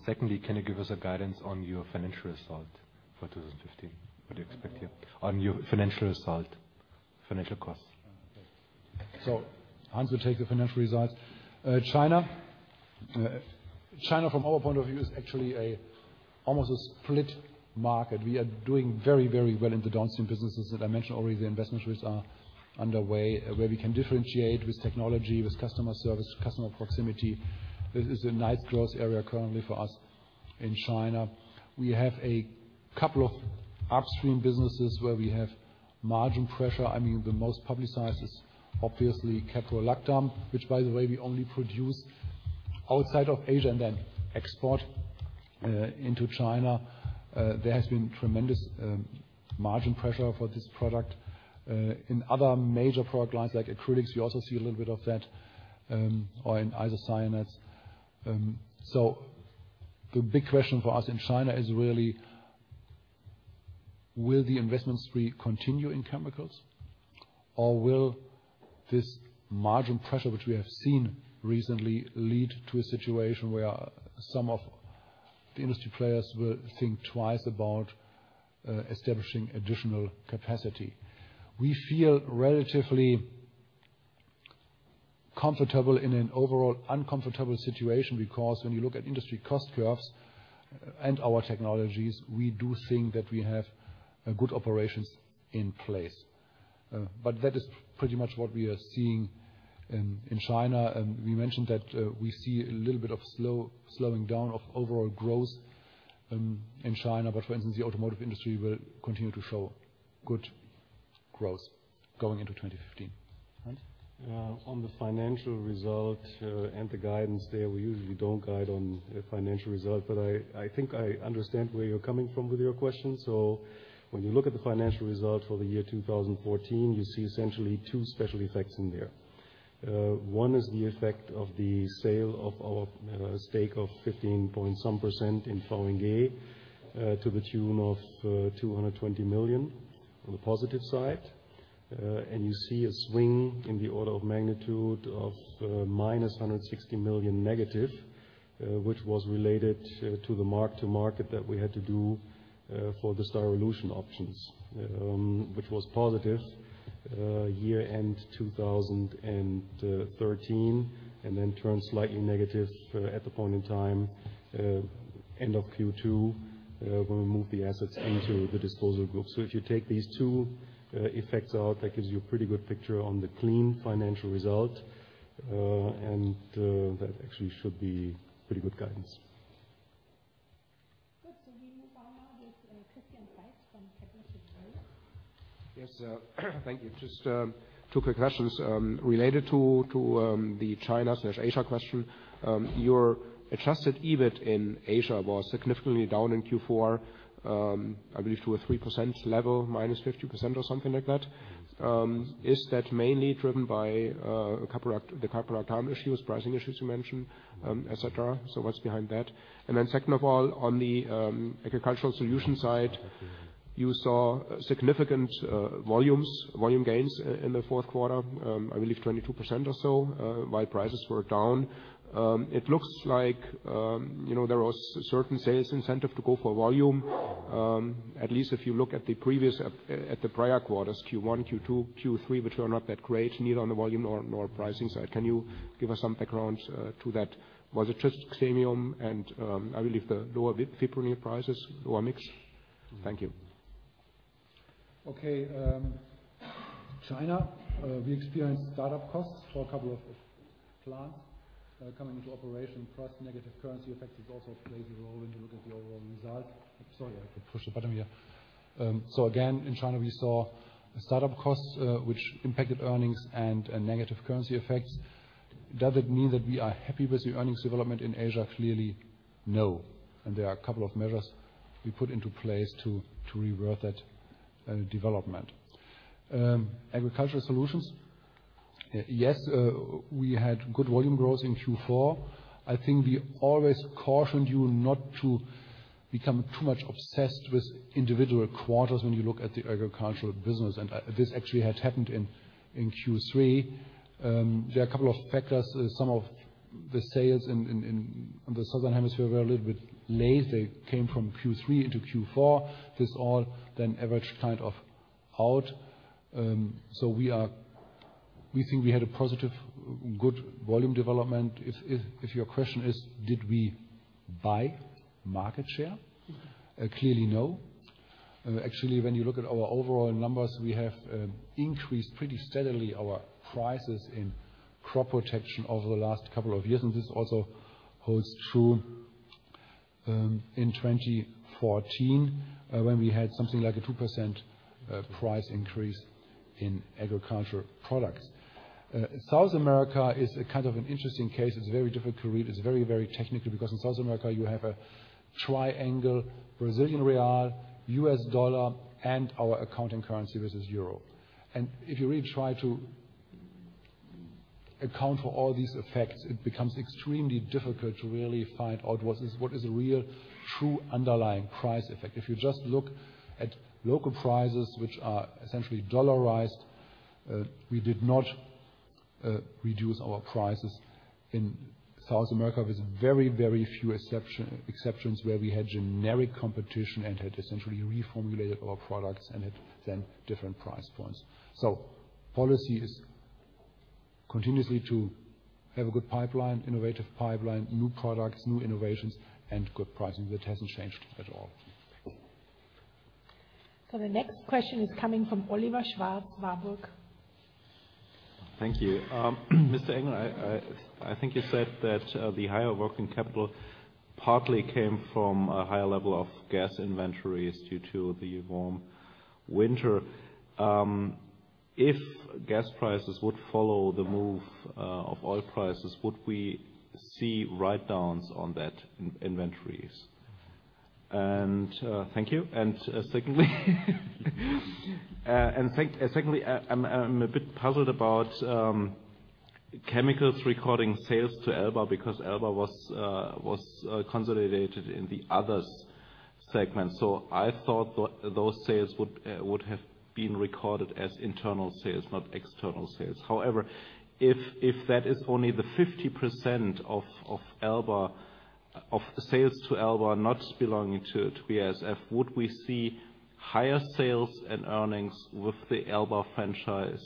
Secondly, can you give us a guidance on your financial result for 2015? What do you expect here on your financial result, financial costs. Hans will take the financial results. China from our point of view is actually almost a split market. We are doing very, very well in the downstream businesses that I mentioned already, the investments which are underway, where we can differentiate with technology, with customer service, customer proximity. This is a nice growth area currently for us in China. We have a couple of upstream businesses where we have margin pressure. I mean, the most publicized is obviously caprolactam, which by the way, we only produce outside of Asia and then export into China. There has been tremendous margin pressure for this product. In other major product lines like acrylics, we also see a little bit of that, or in isocyanates. The big question for us in China is really will the investments really continue in chemicals? Will this margin pressure, which we have seen recently, lead to a situation where some of the industry players will think twice about establishing additional capacity? We feel relatively comfortable in an overall uncomfortable situation, because when you look at industry cost curves and our technologies, we do think that we have good operations in place. That is pretty much what we are seeing in China. We mentioned that we see a little bit of slowing down of overall growth in China. For instance, the automotive industry will continue to show good growth going into 2015. Hans? Yeah. On the financial result and the guidance there, we usually don't guide on the financial result. I think I understand where you're coming from with your question. When you look at the financial result for the year 2014, you see essentially two special effects in there. One is the effect of the sale of our stake of 15 point some percent in VNG to the tune of 220 million on the positive side. You see a swing in the order of magnitude of -160 million negative, which was related to the mark-to-market that we had to do for the Styrolution options, which was positive year-end 2013, and then turned slightly negative at the point in time end of Q2 when we moved the assets into the disposal group. If you take these two effects out, that gives you a pretty good picture on the clean financial result, and that actually should be pretty good guidance. Good. We move on now with Christian Faitz from Kepler Cheuvreux. Yes. Thank you. Just two quick questions. Related to the China/Asia question. Your adjusted EBIT in Asia was significantly down in Q4. I believe to a 3% level, minus 50% or something like that. Is that mainly driven by the copper activity issues, pricing issues you mentioned, et cetera. What's behind that? Then second of all, on the Agricultural Solutions side, you saw significant volume gains in the fourth quarter. I believe 22% or so, while prices were down. It looks like you know there was certain sales incentive to go for volume. At least if you look at the previous, at the prior quarters, Q1, Q2, Q3, which were not that great, neither on the volume nor pricing side. Can you give us some background to that? Was it just Xemium and, I believe, the lower fipronil prices, lower mix? Thank you. Okay. China, we experienced start-up costs for a couple of plants coming into operation, plus negative currency effects has also played a role when you look at the overall result. Sorry, I could push the button here. Again, in China we saw start-up costs, which impacted earnings and negative currency effects. Does it mean that we are happy with the earnings development in Asia? Clearly, no. There are a couple of measures we put into place to revert that development. Agricultural Solutions. Yes, we had good volume growth in Q4. I think we always cautioned you not to become too much obsessed with individual quarters when you look at the agricultural business, and this actually had happened in Q3. There are a couple of factors. Some of the sales in the southern hemisphere were a little bit late. They came from Q3 into Q4. This all then averaged kind of out. We think we had a positive, good volume development. If your question is did we buy market share? Clearly, no. Actually, when you look at our overall numbers, we have increased pretty steadily our prices in crop protection over the last couple of years, and this also holds true in 2014, when we had something like a 2% price increase in agricultural products. South America is a kind of an interesting case. It's very difficult to read. It's very, very technical because in South America you have a triangle, Brazilian real, U.S. dollar, and our accounting currency, which is euro. If you really try to account for all these effects, it becomes extremely difficult to really find out what is a real true underlying price effect. If you just look at local prices, which are essentially dollarized, we did not reduce our prices in South America with very, very few exceptions, where we had generic competition and had essentially reformulated our products and had then different price points. Policy is continuously to have a good pipeline, innovative pipeline, new products, new innovations and good pricing. That hasn't changed at all. The next question is coming from Oliver Schwarz, Warburg. Thank you. Mr. Engel, I think you said that the higher working capital partly came from a higher level of gas inventories due to the warm winter. If gas prices would follow the move of oil prices, would we see write-downs on that in inventories? Thank you. Secondly, I'm a bit puzzled about chemicals recording sales to Ellba because Ellba was consolidated in the Others segment. I thought those sales would have been recorded as internal sales, not external sales. However, if that is only the 50% of Ellba, of sales to Ellba not belonging to BASF, would we see higher sales and earnings with the Ellba franchise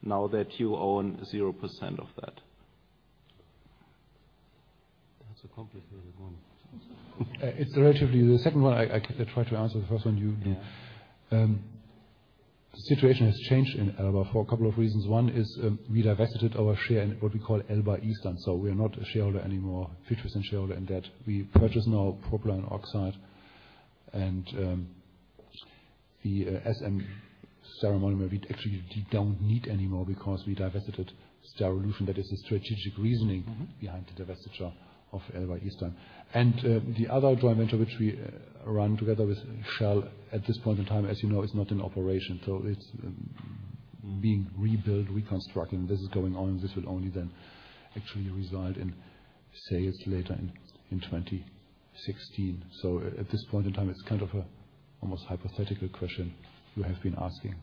now that you own 0% of that? That's a complicated one. It's relatively. The second one, I try to answer the first one you- Yeah. Situation has changed in Ellba for a couple of reasons. One is we divested our share in what we call Ellba Eastern, so we are not a shareholder anymore, 50% shareholder in that. We purchase now propylene oxide and the SM/PO where we actually don't need anymore because we divested Styrolution. That is the strategic reasoning. Mm-hmm. behind the divestiture of Ellba Eastern. The other joint venture which we run together with Shell at this point in time, as you know, is not in operation. It's being rebuilt, reconstructed. This is going on, and this would only then actually reside in sales later in twenty- Sixteen. At this point in time, it's kind of a almost hypothetical question you have been asking.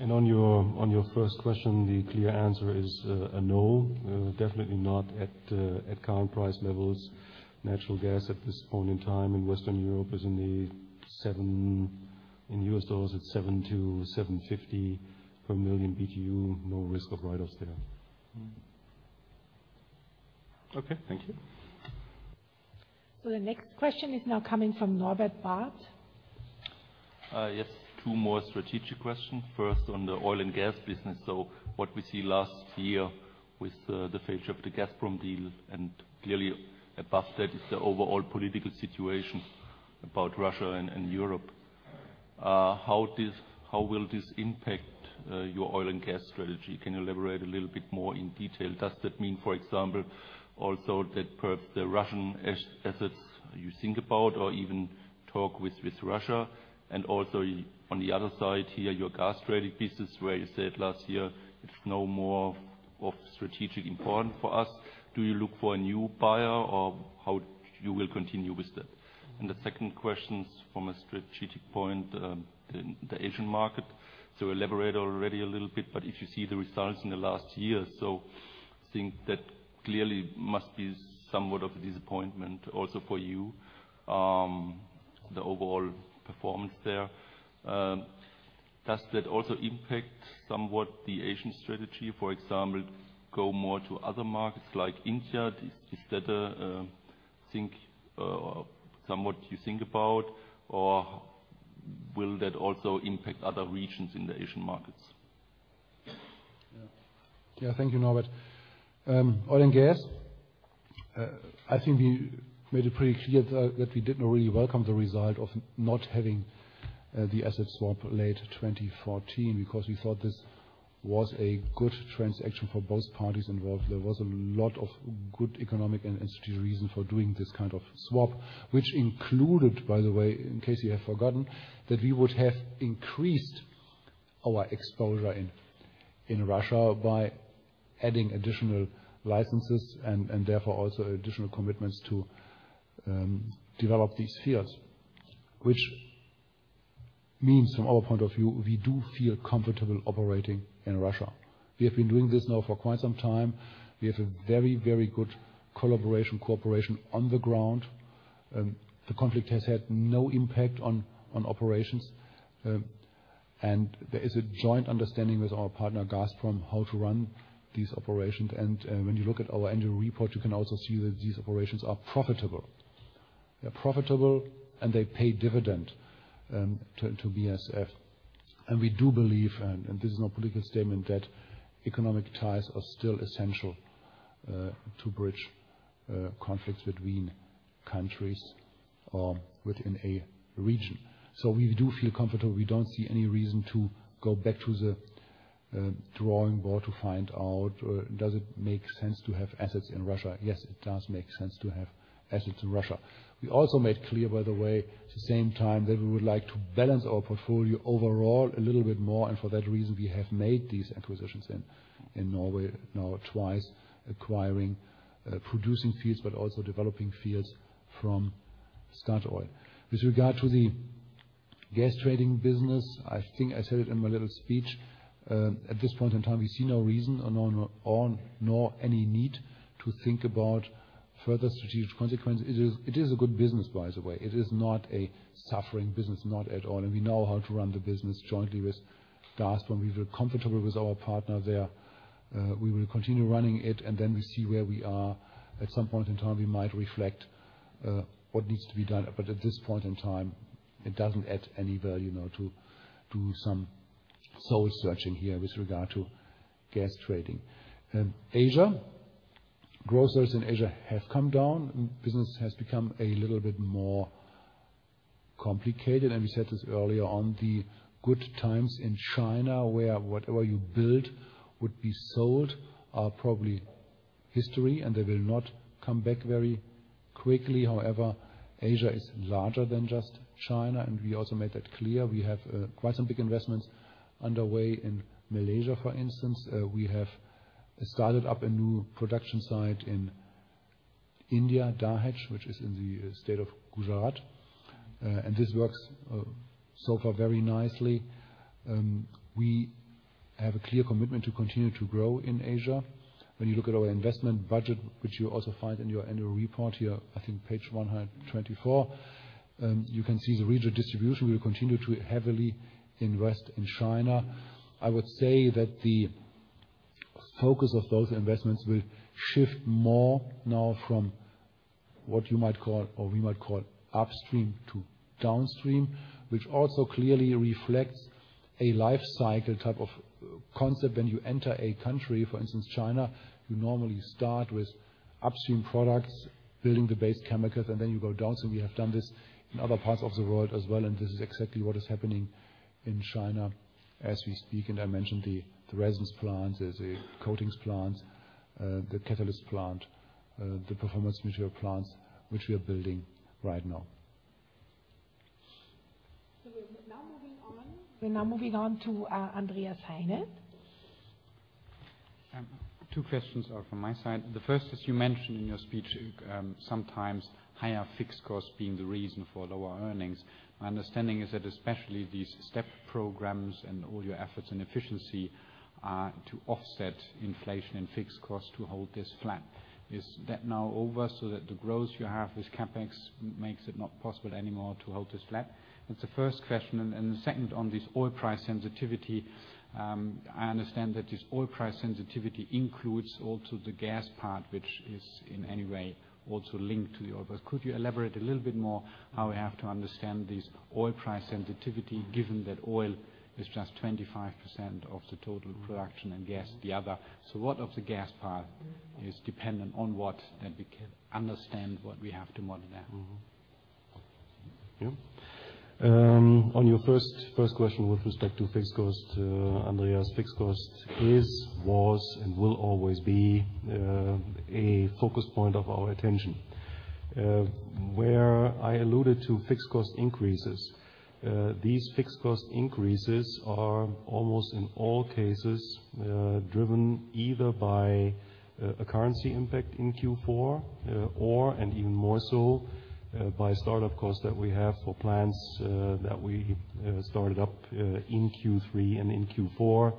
On your first question, the clear answer is a no. Definitely not at current price levels. Natural gas at this point in time in Western Europe is in US dollars, it's $7-$7.50 per million BTU. No risk of write-offs there. Okay, thank you. The next question is now coming from Norbert Barth. Yes, two more strategic questions. First, on the oil and gas business. What we see last year with the failure of the Gazprom deal, and clearly above that is the overall political situation about Russia and Europe. How will this impact your oil and gas strategy? Can you elaborate a little bit more in detail? Does that mean, for example, also that perhaps the Russian assets you think about or even talk with Russia? And also on the other side here, your gas trading business where you said last year, it's no more of strategic importance for us. Do you look for a new buyer or how you will continue with that? And the second question from a strategic point in the Asian market. Elaborate already a little bit, but if you see the results in the last year, I think that clearly must be somewhat of a disappointment also for you, the overall performance there. Does that also impact somewhat the Asian strategy, for example, go more to other markets like India? Is that a thing you think about? Or will that also impact other regions in the Asian markets? Thank you, Norbert. Oil and gas, I think we made it pretty clear that we didn't really welcome the result of not having the asset swap late 2014 because we thought this was a good transaction for both parties involved. There was a lot of good economic and strategic reasons for doing this kind of swap, which included, by the way, in case you have forgotten, that we would have increased our exposure in Russia by adding additional licenses and therefore also additional commitments to develop these fields, which means from our point of view, we do feel comfortable operating in Russia. We have been doing this now for quite some time. We have a very good collaboration, cooperation on the ground. The conflict has had no impact on operations. There is a joint understanding with our partner, Gazprom, how to run these operations. When you look at our annual report, you can also see that these operations are profitable. They're profitable, and they pay dividend to BASF. We do believe, this is no political statement, that economic ties are still essential to bridge conflicts between countries or within a region. We do feel comfortable. We don't see any reason to go back to the drawing board to find out, does it make sense to have assets in Russia? Yes, it does make sense to have assets in Russia. We also made clear, by the way, at the same time, that we would like to balance our portfolio overall a little bit more, and for that reason, we have made these acquisitions in Norway now twice, acquiring producing fields, but also developing fields from Statoil. With regard to the gas trading business, I think I said it in my little speech. At this point in time, we see no reason nor any need to think about further strategic consequences. It is a good business, by the way. It is not a suffering business, not at all. We know how to run the business jointly with Gazprom. We feel comfortable with our partner there. We will continue running it, and then we see where we are. At some point in time, we might reflect what needs to be done. At this point in time, it doesn't add any value now to do some soul-searching here with regard to gas trading. Asia. Growth rates in Asia have come down. Business has become a little bit more complicated. we said this earlier on, the good times in China, where whatever you build would be sold, are probably history, and they will not come back very quickly. However, Asia is larger than just China, and we also made that clear. We have quite some big investments underway in Malaysia, for instance. we have started up a new production site in India, Dahej, which is in the state of Gujarat. this works so far very nicely. we have a clear commitment to continue to grow in Asia. When you look at our investment budget, which you also find in your annual report here, I think page 124, you can see the regional distribution. We will continue to heavily invest in China. I would say that the focus of those investments will shift more now from what you might call or we might call upstream to downstream, which also clearly reflects a life cycle type of concept. When you enter a country, for instance, China, you normally start with upstream products, building the base chemicals, and then you go downstream. We have done this in other parts of the world as well, and this is exactly what is happening in China as we speak. I mentioned the resins plant, there's a coatings plant, the catalyst plant, the performance material plants which we are building right now. We're now moving on to Andreas Heine. Two questions from my side. The first, as you mentioned in your speech, sometimes higher fixed costs being the reason for lower earnings. My understanding is that especially these step programs and all your efforts in efficiency are to offset inflation and fixed costs to hold this flat. Is that now over so that the growth you have with CapEx makes it not possible anymore to hold this flat? That's the first question. The second on this oil price sensitivity, I understand that this oil price sensitivity includes also the gas part, which is in any way also linked to the oil. But could you elaborate a little bit more how we have to understand this oil price sensitivity given that oil is just 25% of the total production and gas the other? What of the gas part is dependent on what, that we can understand what we have to model there? On your first question with respect to fixed cost, Andreas, fixed cost is, was, and will always be a focus point of our attention. Where I alluded to fixed cost increases, these fixed cost increases are almost in all cases driven either by a currency impact in Q4 or, and even more so, by startup costs that we have for plants that we started up in Q3 and in Q4.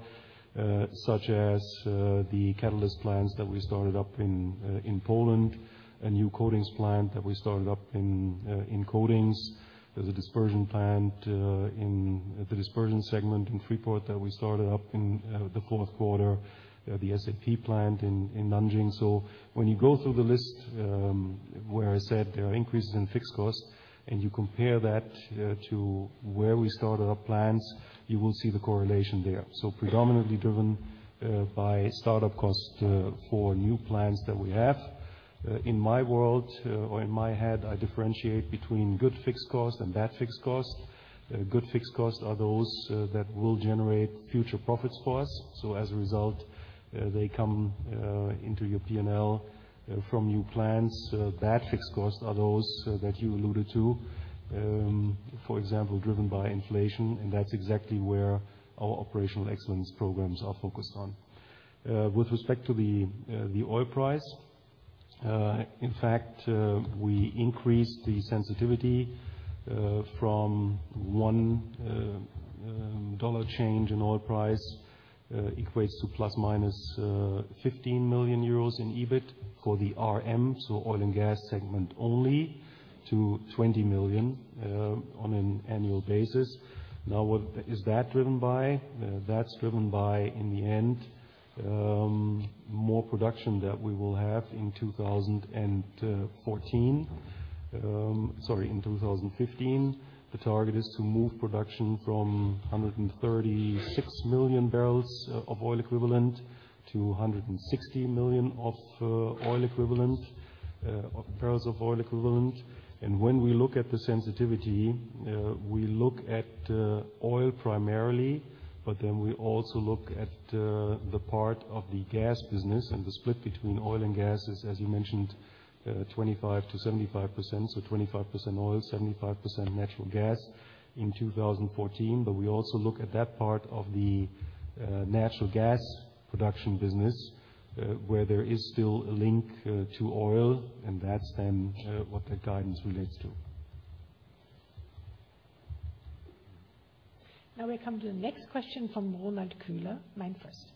Such as the catalyst plants that we started up in Poland, a new coatings plant that we started up in coatings. There's a dispersion plant in the dispersion segment in Freeport that we started up in the fourth quarter, the SAP plant in Nanjing. When you go through the list, where I said there are increases in fixed cost, and you compare that to where we started our plants, you will see the correlation there, predominantly driven by startup costs for new plants that we have. In my world, or in my head, I differentiate between good fixed costs and bad fixed costs. Good fixed costs are those that will generate future profits for us, so as a result, they come into your P&L from new plants. Bad fixed costs are those that you alluded to, for example, driven by inflation, and that's exactly where our operational excellence programs are focused on. With respect to the oil price, in fact, we increased the sensitivity from one dollar change in oil price equates to ±15 million euros in EBIT for the Oil & Gas segment only, to 20 million on an annual basis. Now what is that driven by? That's driven by, in the end, more production that we will have in 2015. The target is to move production from 136 million barrels of oil equivalent to 160 million barrels of oil equivalent. When we look at the sensitivity, we look at oil primarily, but then we also look at the part of the gas business, and the split between oil and gas is, as you mentioned, 25%-75%. 25% oil, 75% natural gas in 2014. We also look at that part of the natural gas production business, where there is still a link to oil, and that's what the guidance relates to. Now we come to the next question from Ronald Köhler, MainFirst.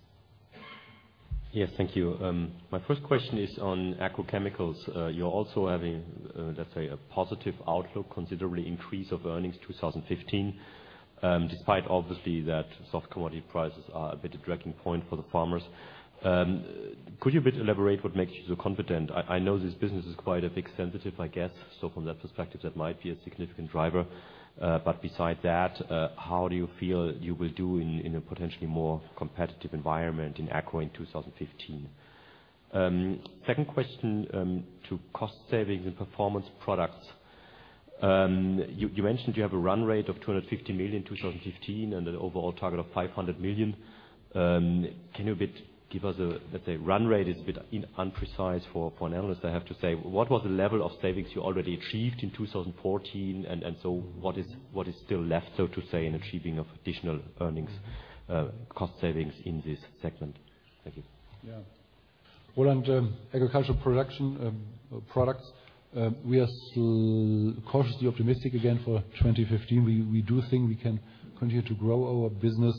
Yes. Thank you. My first question is on agrochemicals. You're also having, let's say, a positive outlook, considerable increase of earnings 2015, despite obviously that soft commodity prices are a bit of a drag point for the farmers. Could you elaborate a bit what makes you so confident? I know this business is quite a bit sensitive, I guess, so from that perspective, that might be a significant driver. But besides that, how do you feel you will do in a potentially more competitive environment in agro in 2015? Second question, to cost savings and Performance Products. You mentioned you have a run rate of 250 million in 2015 and an overall target of 500 million. Can you give us a bit, let's say, run rate is a bit imprecise for an analyst, I have to say. What was the level of savings you already achieved in 2014? What is still left, so to say, in achieving additional earnings, cost savings in this segment? Thank you. Yeah. Well, on agricultural products, we are still cautiously optimistic again for 2015. We do think we can continue to grow our business.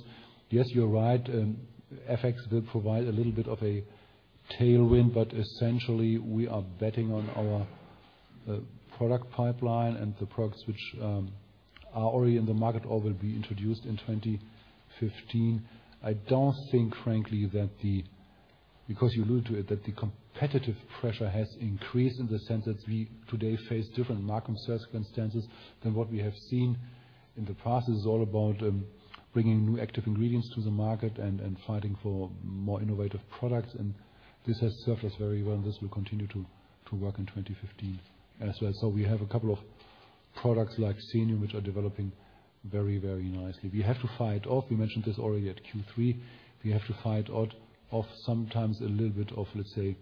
Yes, you're right, FX will provide a little bit of a tailwind, but essentially we are betting on our product pipeline and the products which are already in the market or will be introduced in 2015. I don't think, frankly, that because you alluded to it, the competitive pressure has increased in the sense that we today face different market circumstances than what we have seen in the past. This is all about bringing new active ingredients to the market and fighting for more innovative products, and this has served us very well, and this will continue to work in 2015 as well. We have a couple of products like Xemium, which are developing very, very nicely. We have to fight off, we mentioned this already at Q3, sometimes a little bit of, let's say-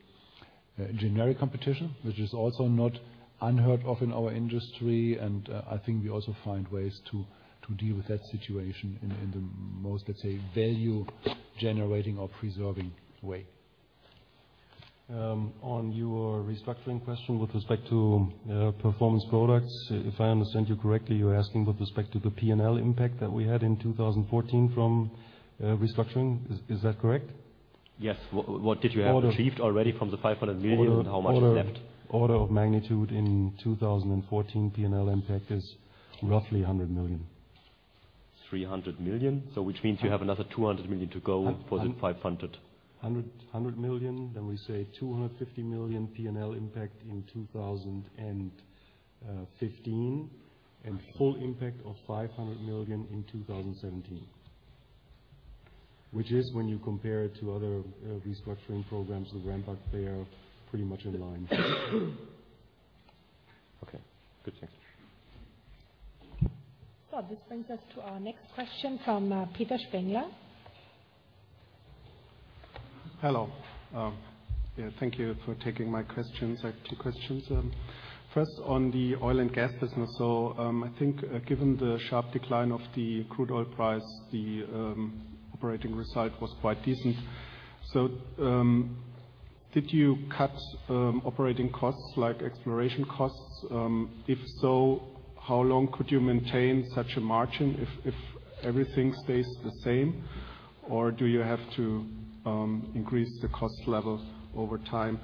Generic competition, which is also not unheard of in our industry. I think we also find ways to deal with that situation in the most, let's say, value generating or preserving way. On your restructuring question with respect to performance products, if I understand you correctly, you're asking with respect to the P&L impact that we had in 2014 from restructuring. Is that correct? Yes. What did you have achieved already from the 500 million, and how much is left? Order of magnitude in 2014 P&L impact is roughly 100 million. 300 million. Which means you have another 200 million to go for the 500. 100 million. We say 250 million P&L impact in 2015. Full impact of 500 million in 2017. Which is when you compare it to other restructuring programs with ramp up, they are pretty much in line. Okay, good. Thank you. This brings us to our next question from Peter Spengler. Hello. Yeah, thank you for taking my questions. I have two questions. First on the oil and gas business. I think given the sharp decline of the crude oil price, the operating result was quite decent. Did you cut operating costs like exploration costs? If so, how long could you maintain such a margin if everything stays the same? Or do you have to increase the cost level over time?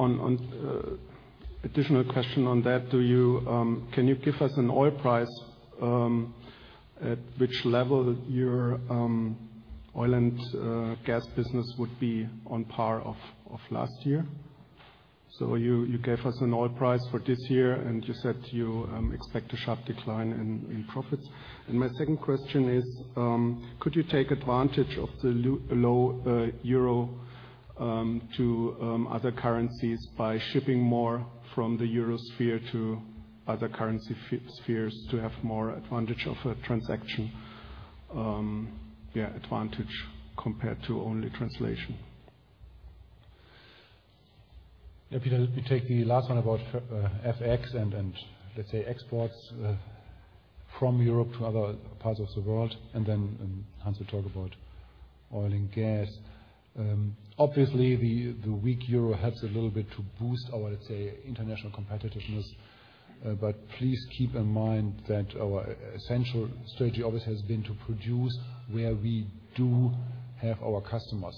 On an additional question on that, can you give us an oil price at which level your oil and gas business would be on par with last year? You gave us an oil price for this year, and you said you expect a sharp decline in profits. My second question is, could you take advantage of the low euro to other currencies by shipping more from the euro sphere to other currency spheres to have more transactional advantage compared to only translational? Yeah. Peter, let me take the last one about FX and let's say exports from Europe to other parts of the world, and then Hans will talk about oil and gas. Obviously, the weak euro helps a little bit to boost our, let's say, international competitiveness. But please keep in mind that our essential strategy always has been to produce where we do have our customers.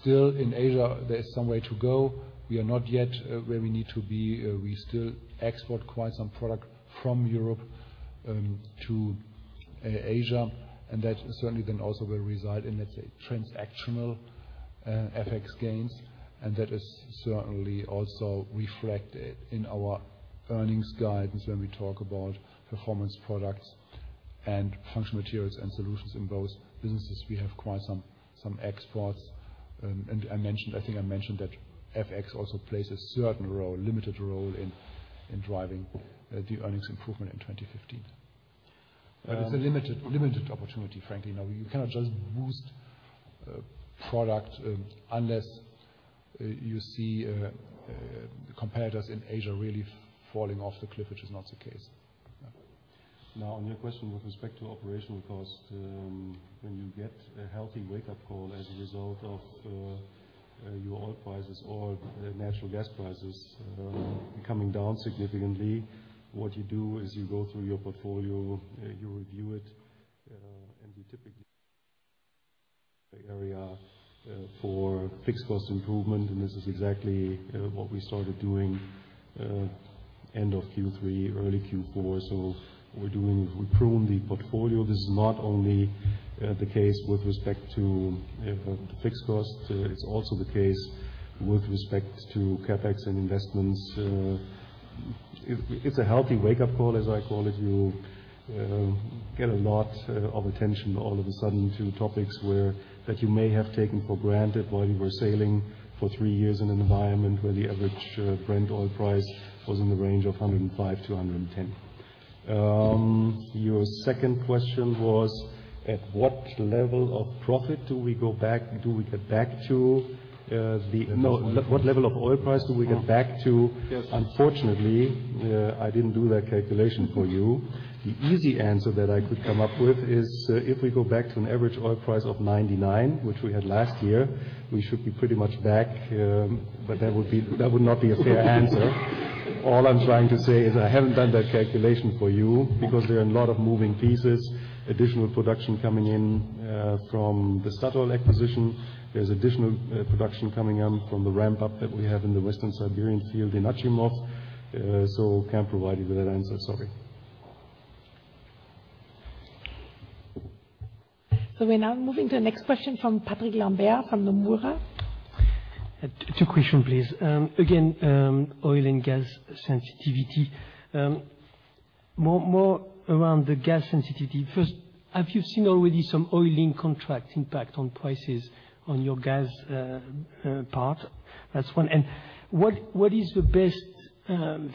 Still in Asia, there is some way to go. We are not yet where we need to be. We still export quite some product from Europe to Asia, and that certainly then also will result in, let's say, transactional FX gains. That is certainly also reflected in our earnings guidance when we talk about performance products and functional materials and solutions. In both businesses, we have quite some exports. I mentioned, I think I mentioned that FX also plays a certain role, limited role in driving the earnings improvement in 2015. It's a limited opportunity, frankly. Now, you cannot just boost product unless you see competitors in Asia really falling off the cliff, which is not the case. Now, on your question with respect to operational costs, when you get a healthy wake-up call as a result of your oil prices or natural gas prices coming down significantly, what you do is you go through your portfolio, you review it, and you typically aim for fixed cost improvement. This is exactly what we started doing end of Q3, early Q4. We're pruning the portfolio. This is not only the case with respect to fixed costs, it's also the case with respect to CapEx and investments. It's a healthy wake-up call, as I call it. You get a lot of attention all of a sudden to topics where that you may have taken for granted while you were sailing for three years in an environment where the average Brent oil price was in the range of $105-$110. Your second question was, at what level of profit do we go back, do we get back to, the- No. What level of oil price do we get back to? Yes. Unfortunately, I didn't do that calculation for you. The easy answer that I could come up with is, if we go back to an average oil price of $99, which we had last year, we should be pretty much back. That would not be a fair answer. All I'm trying to say is I haven't done that calculation for you because there are a lot of moving pieces, additional production coming in from the Statoil acquisition. There's additional production coming from the ramp-up that we have in the Western Siberian field in Achimov. Can't provide you with that answer. Sorry. We're now moving to the next question from Patrick Lambert, from Nomura. Two questions, please. Again, oil and gas sensitivity. More around the gas sensitivity. First, have you seen already some oil-linked contract impact on prices on your gas part? That's one. What is the best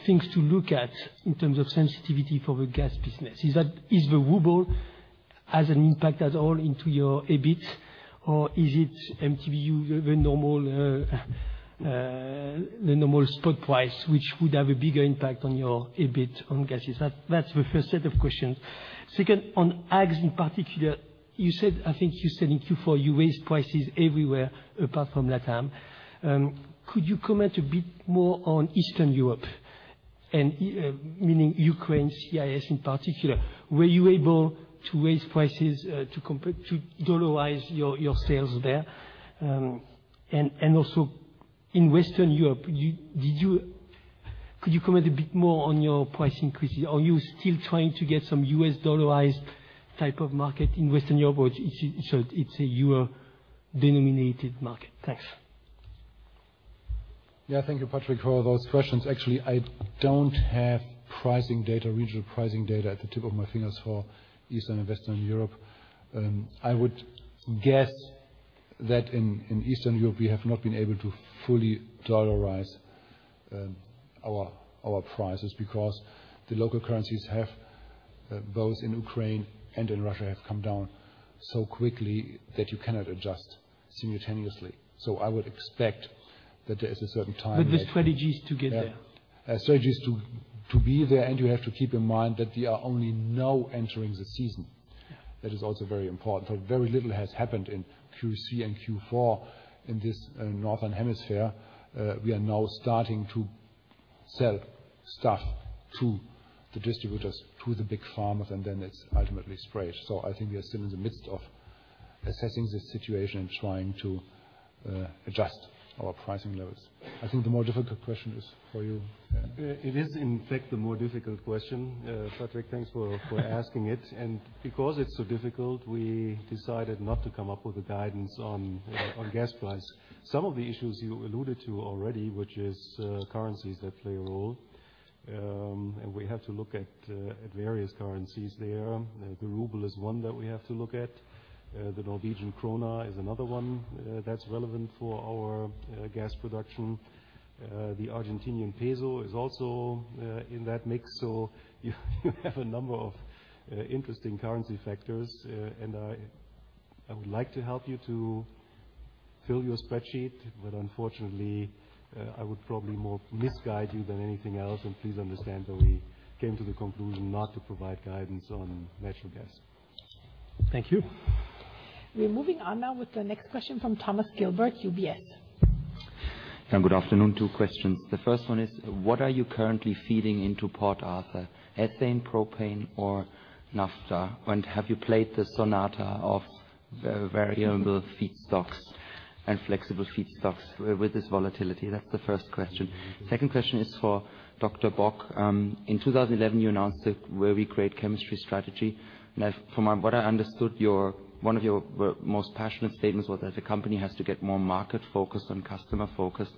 things to look at in terms of sensitivity for the gas business? Is the ruble has an impact at all into your EBIT, or is it MMBtu the normal spot price, which would have a bigger impact on your EBIT on gas? That's the first set of questions. Second, on ags in particular, you said. I think you said in Q4 you raised prices everywhere apart from LatAm. Could you comment a bit more on Eastern Europe, meaning Ukraine, CIS in particular? Were you able to raise prices to dollarize your sales there? Also in Western Europe, could you comment a bit more on your price increases? Are you still trying to get some U.S. dollarized type of market in Western Europe, or so it's a euro-denominated market? Thanks. Yeah, thank you, Patrick, for those questions. Actually, I don't have pricing data, regional pricing data at the tip of my fingers for Eastern and Western Europe. I would guess that in Eastern Europe, we have not been able to fully dollarize our prices because the local currencies have both in Ukraine and in Russia come down so quickly that you cannot adjust simultaneously. I would expect that there is a certain time. The strategy is to get there. Strategy is to be there, and you have to keep in mind that we are only now entering the season. That is also very important. Very little has happened in Q3 and Q4 in this Northern Hemisphere. We are now starting to sell stuff to the distributors, to the big farmers, and then it's ultimately sprayed. I think we are still in the midst of assessing the situation and trying to adjust our pricing levels. I think the more difficult question is for you, Kurt. It is in fact the more difficult question, Patrick. Thanks for asking it. Because it's so difficult, we decided not to come up with a guidance on gas price. Some of the issues you alluded to already, which is currencies that play a role, and we have to look at various currencies there. The ruble is one that we have to look at. The Norwegian krone is another one that's relevant for our gas production. The Argentinian peso is also in that mix. You have a number of interesting currency factors, and I would like to help you to fill your spreadsheet, but unfortunately I would probably more misguide you than anything else. Please understand that we came to the conclusion not to provide guidance on natural gas. Thank you. We're moving on now with the next question from Thomas Wrigglesworth, UBS. Good afternoon. Two questions. The first one is, what are you currently feeding into Port Arthur, ethane, propane, or naphtha? Have you played the scenario of variable feedstocks and flexible feedstocks with this volatility? That's the first question. Second question is for Dr. Bock. In 2011, you announced the We Create Chemistry strategy. From what I understood, your one of your most passionate statements was that the company has to get more market-focused and customer-focused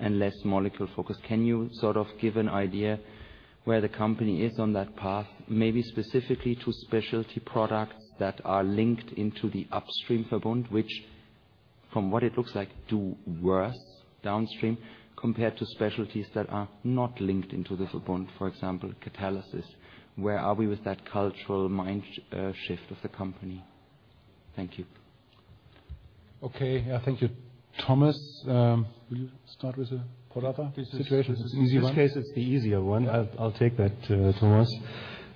and less molecule-focused. Can you sort of give an idea where the company is on that path? Maybe specifically to specialty products that are linked into the upstream Verbund, which from what it looks like do worse downstream compared to specialties that are not linked into the Verbund, for example, catalysis. Where are we with that cultural shift of the company? Thank you. Okay. Thank you. Thomas, will you start with the Port Arthur situation? It's an easy one. This case is the easier one. I'll take that, Thomas.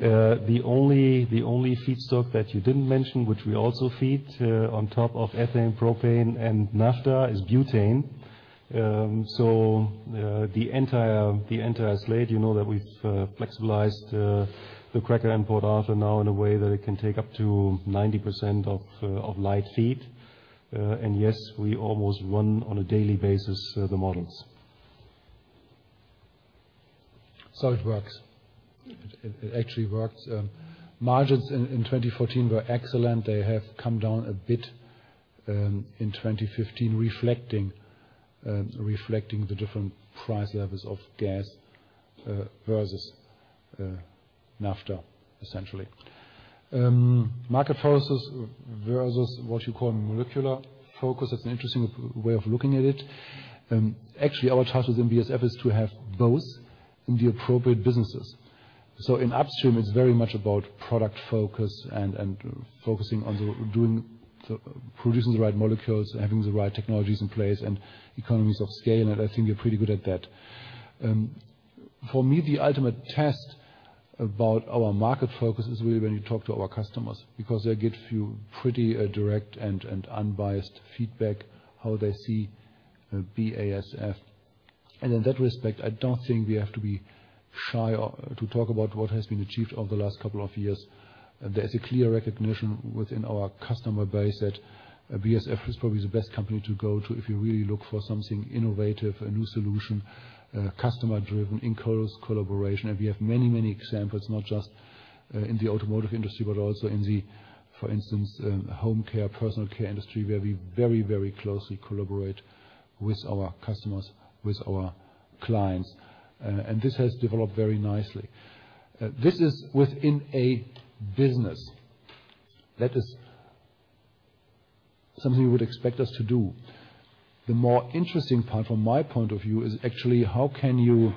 The only feedstock that you didn't mention, which we also feed on top of ethane, propane, and naphtha is butane. So, the entire slate, you know that we've flexibilized the cracker in Port Arthur now in a way that it can take up to 90% of light feed. And yes, we almost run on a daily basis the models. So it works. It actually works. Margins in 2014 were excellent. They have come down a bit in 2015 reflecting the different price levels of gas versus naphtha, essentially. Market forces versus what you call molecular focus is an interesting way of looking at it. Actually, our task within BASF is to have both in the appropriate businesses. In upstream, it's very much about product focus and focusing on producing the right molecules, having the right technologies in place and economies of scale. I think we're pretty good at that. For me, the ultimate test about our market focus is really when you talk to our customers because they give you pretty direct and unbiased feedback how they see BASF. In that respect, I don't think we have to be shy to talk about what has been achieved over the last couple of years. There's a clear recognition within our customer base that BASF is probably the best company to go to if you really look for something innovative, a new solution, customer-driven in close collaboration. We have many, many examples, not just in the automotive industry, but also in the, for instance, home care, personal care industry, where we very, very closely collaborate with our customers, with our clients. This has developed very nicely. This is within a business that is something you would expect us to do. The more interesting part from my point of view is actually how can you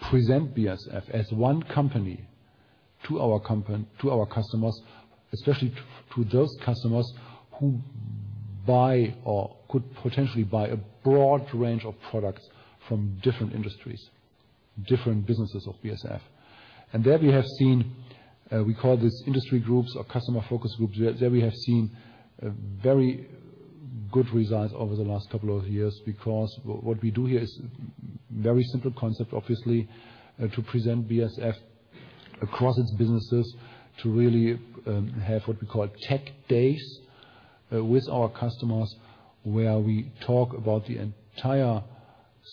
present BASF as one company to our customers, especially to those customers who buy or could potentially buy a broad range of products from different industries, different businesses of BASF. There we have seen we call this industry groups or customer focus groups. There we have seen very good results over the last couple of years because what we do here is very simple concept, obviously, to present BASF across its businesses to really have what we call tech days with our customers, where we talk about the entire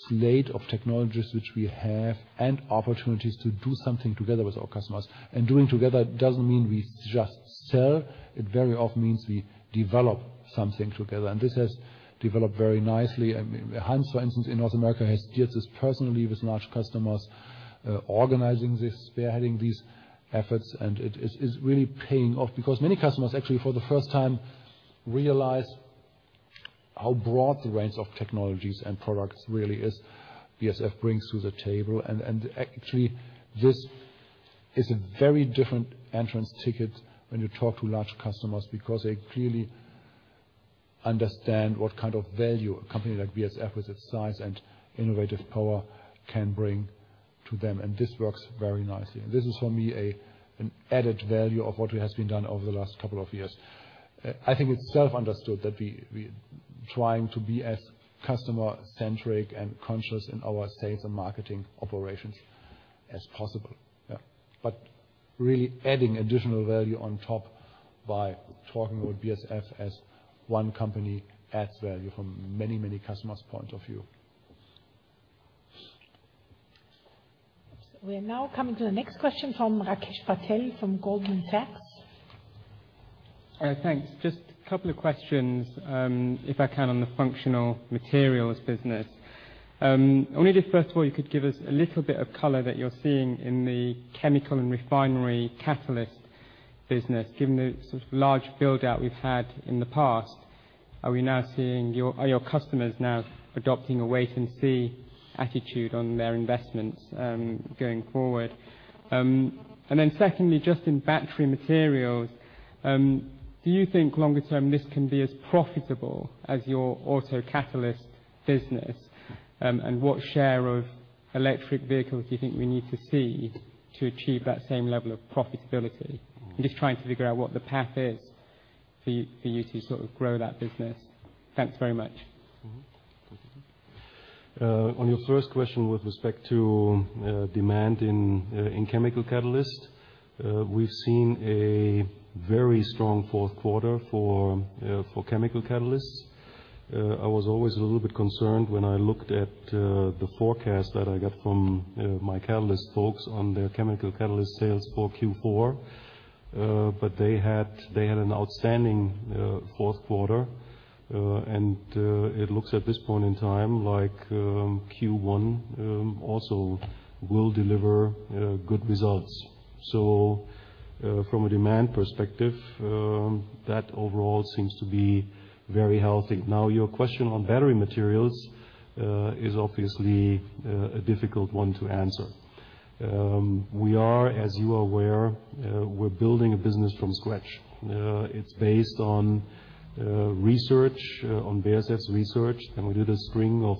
slate of technologies which we have and opportunities to do something together with our customers. Doing together doesn't mean we just sell. It very often means we develop something together, and this has developed very nicely. I mean, Hans, for instance, in North America, has done this personally with large customers, organizing this, spearheading these efforts, and it is really paying off because many customers actually, for the first time realize how broad the range of technologies and products really is BASF brings to the table. Actually this is a very different entrance ticket when you talk to large customers because they clearly understand what kind of value a company like BASF with its size and innovative power can bring to them, and this works very nicely. This is, for me, an added value of what has been done over the last couple of years. I think it's self-understood that we trying to be as customer-centric and conscious in our sales and marketing operations as possible. Yeah. Really adding additional value on top by talking about BASF as one company adds value from many, many customers' point of view. We're now coming to the next question from Rakesh Patel from Goldman Sachs. Thanks. Just a couple of questions, if I can, on the functional materials business. I wonder if, first of all, you could give us a little bit of color that you're seeing in the chemical and refinery catalyst business, given the sort of large build-out we've had in the past. Are your customers now adopting a wait and see attitude on their investments, going forward? Then secondly, just in battery materials, do you think longer term this can be as profitable as your auto catalyst business? What share of electric vehicles do you think we need to see to achieve that same level of profitability? I'm just trying to figure out what the path is for you to sort of grow that business. Thanks very much. On your first question with respect to demand in chemical catalysts, we've seen a very strong fourth quarter for chemical catalysts. I was always a little bit concerned when I looked at the forecast that I got from my catalyst folks on their chemical catalyst sales for Q4. They had an outstanding fourth quarter. It looks at this point in time like Q1 also will deliver good results. From a demand perspective, that overall seems to be very healthy. Now, your question on battery materials is obviously a difficult one to answer. We are, as you are aware, we're building a business from scratch. It's based on research on BASF's research, and we did a string of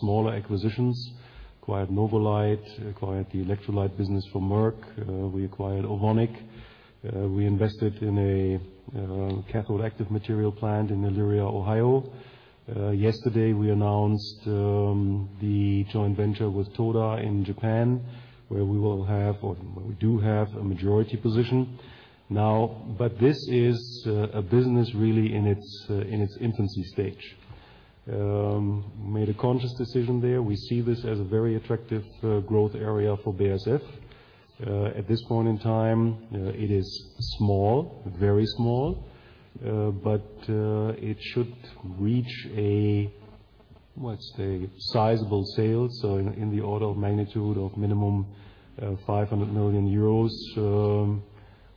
smaller acquisitions, acquired Novolyte, acquired the electrolyte business from Merck. We acquired Ovonic. We invested in a cathode active material plant in Elyria, Ohio. Yesterday, we announced the joint venture with TODA in Japan, where we will have, or where we do have a majority position. This is a business really in its infancy stage. Made a conscious decision there. We see this as a very attractive growth area for BASF. At this point in time, it is small, very small, but it should reach a, let's say sizable sales, so in the order of magnitude of minimum 500 million euros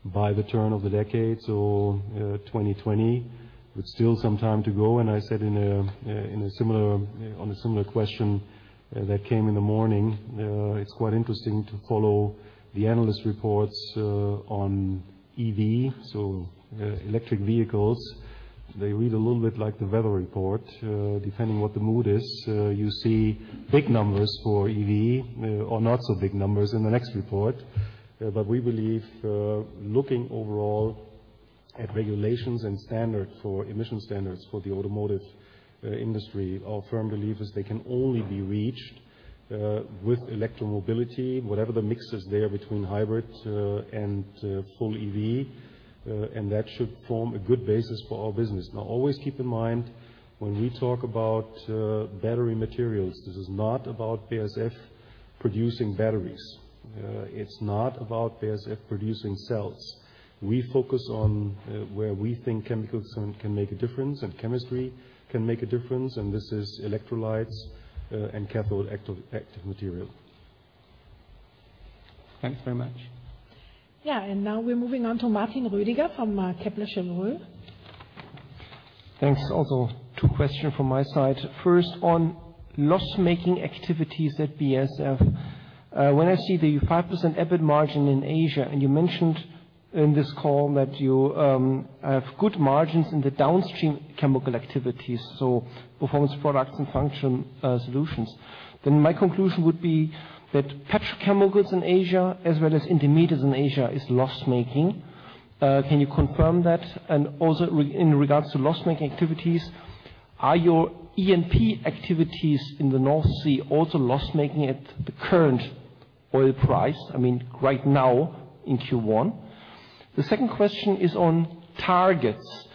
by the turn of the decade, 2020. Still some time to go, and I said on a similar question that came in the morning. It's quite interesting to follow the analyst reports on EV, so electric vehicles. They read a little bit like the weather report. Depending what the mood is, you see big numbers for EV or not so big numbers in the next report. We believe, looking overall at regulations and standards for emission standards for the automotive industry, our firm belief is they can only be reached with electromobility, whatever the mix is there between hybrids and full EV, and that should form a good basis for our business. Now always keep in mind when we talk about battery materials, this is not about BASF producing batteries. It's not about BASF producing cells. We focus on where we think chemicals can make a difference and chemistry can make a difference, and this is electrolytes and cathode active material. Thanks very much. Yeah. Now we're moving on to Martin Roediger from Kepler Cheuvreux. Thanks also. Two questions from my side. First, on loss-making activities at BASF. When I see the 5% EBIT margin in Asia, and you mentioned in this call that you have good margins in the downstream chemical activities, so Performance Products and Functional Solutions, then my conclusion would be that petrochemicals in Asia as well as intermediates in Asia is loss-making. Can you confirm that? And also in regards to loss-making activities, are your E&P activities in the North Sea also loss-making at the current oil price? I mean, right now in Q1. The second question is on targets.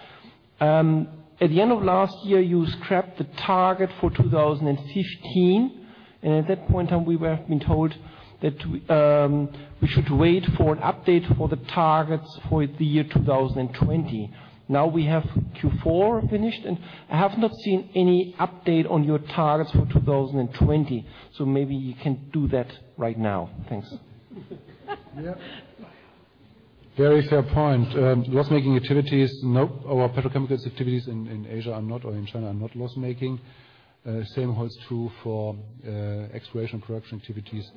At the end of last year, you scrapped the target for 2015, and at that point on, we were being told that we should wait for an update for the targets for the year 2020. Now we have Q4 finished, and I have not seen any update on your targets for 2020, so maybe you can do that right now. Thanks. Yeah. Very fair point. Loss-making activities. Nope, our petrochemicals activities in Asia are not, or in China are not, loss-making. Same holds true for exploration & production activities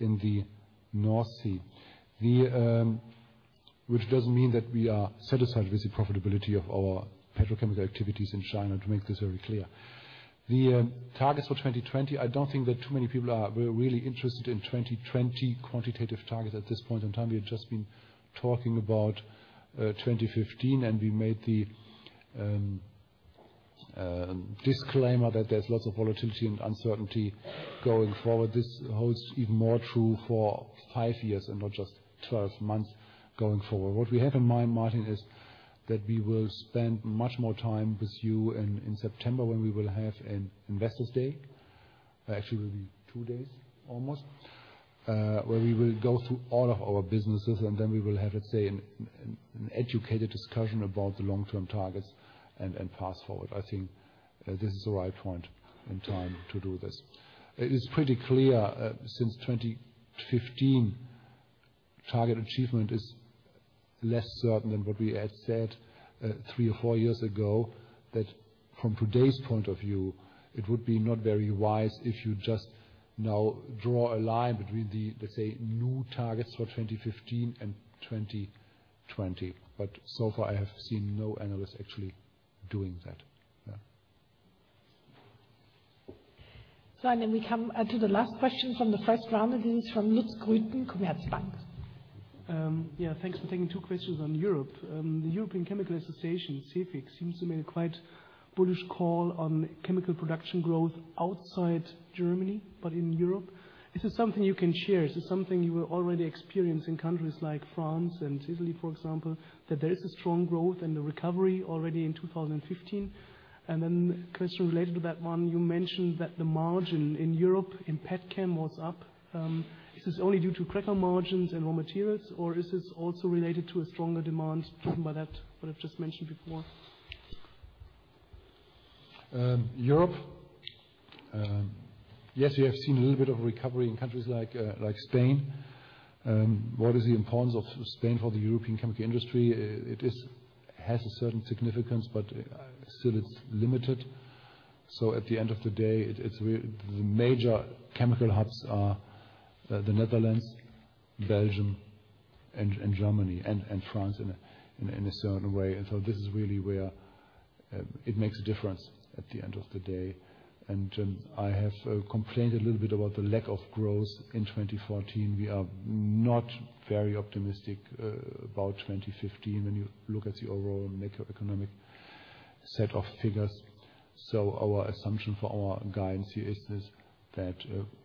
in the North Sea. Which doesn't mean that we are satisfied with the profitability of our petrochemical activities in China, to make this very clear. Targets for 2020, I don't think that too many people were really interested in 2020 quantitative targets at this point in time. We have just been talking about 2015, and we made the disclaimer that there's lots of volatility and uncertainty going forward. This holds even more true for five years and not just 12 months going forward. What we have in mind, Martin, is that we will spend much more time with you in September when we will have an investors day. Actually, it will be two days almost, where we will go through all of our businesses, and then we will have, let's say, an educated discussion about the long-term targets and path forward. I think this is the right point in time to do this. It is pretty clear, since 2015, target achievement is less certain than what we had said three or four years ago, that from today's point of view, it would be not very wise if you just now draw a line between the, let's say, new targets for 2015 and 2020. So far, I have seen no analyst actually doing that. Yeah. We come to the last question from the first round, and this is from Lutz Grüten, Commerzbank. Yeah, thanks for taking two questions on Europe. The European Chemical Association, CEFIC, seems to have made a quite bullish call on chemical production growth outside Germany but in Europe. Is this something you can share? Is this something you were already experiencing in countries like France and Italy, for example, that there is a strong growth and the recovery already in 2015? And then question related to that one, you mentioned that the margin in Europe in petchem was up. Is this only due to cracker margins and raw materials, or is this also related to a stronger demand driven by that what I've just mentioned before? Europe, yes, we have seen a little bit of recovery in countries like Spain. What is the importance of Spain for the European chemical industry? It has a certain significance, but still it's limited. At the end of the day, it's the major chemical hubs are the Netherlands, Belgium, and Germany and France in a certain way. This is really where it makes a difference at the end of the day. I have complained a little bit about the lack of growth in 2014. We are not very optimistic about 2015 when you look at the overall macroeconomic set of figures. Our assumption for our guidance here is this, that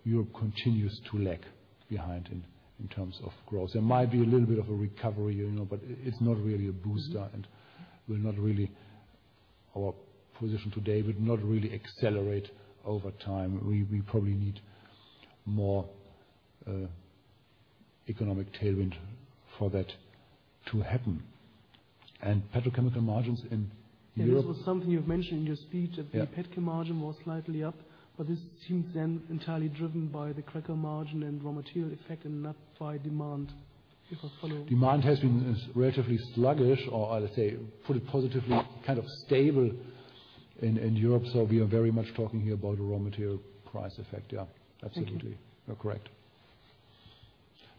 Europe continues to lag behind in terms of growth. There might be a little bit of a recovery, you know, but it's not really a booster and will not really. Our position today would not really accelerate over time. We probably need more economic tailwind for that to happen. Petrochemical margins in Europe. Yeah, this was something you've mentioned in your speech. Yeah. That the petchem margin was slightly up, but this seems then entirely driven by the cracker margin and raw material effect and not by demand, if I follow. Demand has been relatively sluggish or I'd say put it positively, kind of stable in Europe. We are very much talking here about a raw material price effect. Yeah. Absolutely. Thank you. You're correct.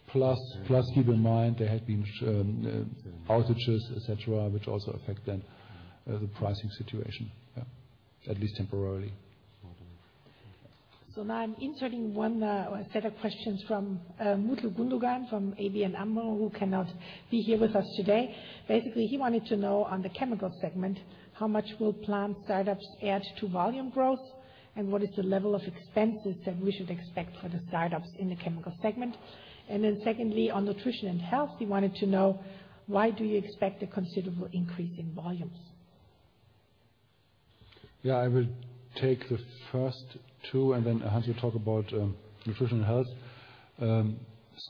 Plus, keep in mind there have been outages, et cetera, which also affect then the pricing situation. Yeah. At least temporarily. I'm inserting one, or a set of questions from Mutlu Güngördü from ABN AMRO, who cannot be here with us today. Basically, he wanted to know on the chemical segment, how much will plant startups add to volume growth, and what is the level of expenses that we should expect for the startups in the chemical segment? Then secondly, on nutrition and health, he wanted to know, why do you expect a considerable increase in volumes? Yeah. I will take the first two, and then Hans, you talk about nutrition and health.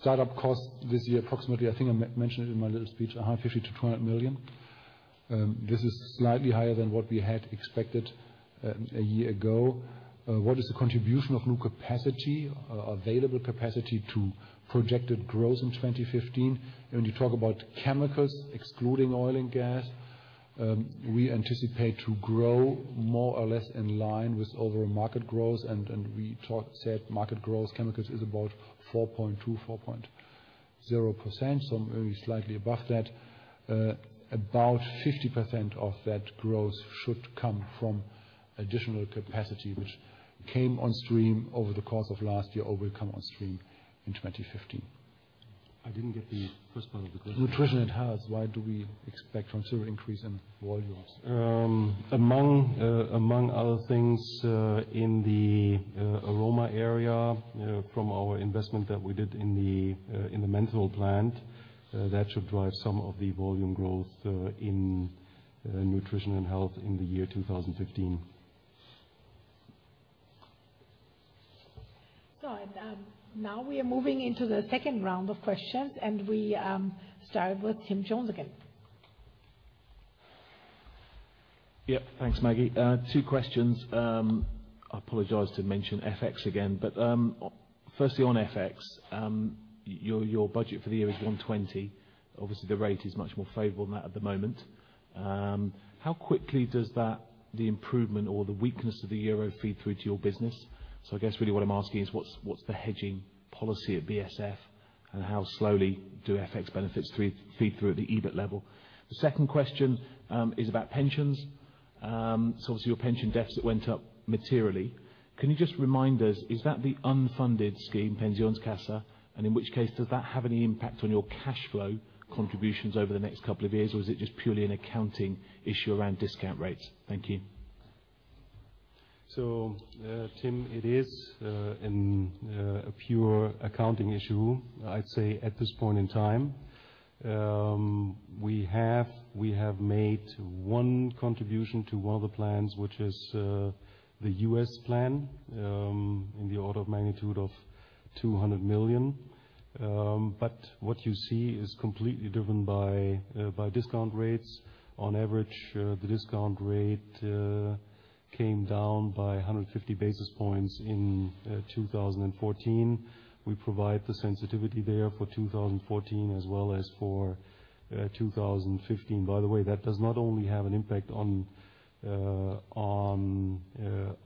Startup costs this year, approximately, I think I mentioned it in my little speech, 150 million-200 million. This is slightly higher than what we had expected a year ago. What is the contribution of new capacity, available capacity to projected growth in 2015? When you talk about chemicals, excluding oil and gas, we anticipate to grow more or less in line with overall market growth. We said market growth chemicals is about 4.2, 4.0%, so maybe slightly above that. About 50% of that growth should come from additional capacity which came on stream over the course of last year, or will come on stream in 2015. I didn't get the first part of the question. Nutrition and health, why do we expect considerable increase in volumes? Among other things, in the aroma area, from our investment that we did in the menthol plant, that should drive some of the volume growth, in nutrition and health in the year 2015. Now we are moving into the second round of questions, and we start with Tim Jones again. Yep. Thanks, Maggie. Two questions. I apologize to mention FX again, but firstly, on FX, your budget for the year is 1.20. Obviously, the rate is much more favorable than that at the moment. How quickly does the improvement or the weakness of the euro feed through to your business? So I guess really what I'm asking is what's the hedging policy at BASF, and how slowly do FX benefits feed through at the EBIT level? The second question is about pensions. So obviously your pension deficit went up materially. Can you just remind us, is that the unfunded scheme, Pensionskasse? And in which case, does that have any impact on your cash flow contributions over the next couple of years? Or is it just purely an accounting issue around discount rates? Thank you. Tim, it is a pure accounting issue, I'd say, at this point in time. We have made one contribution to one of the plans, which is the U.S. plan, in the order of magnitude of $200 million. What you see is completely driven by discount rates. On average, the discount rate came down by 150 basis points in 2014. We provide the sensitivity there for 2014 as well as for 2015. By the way, that does not only have an impact on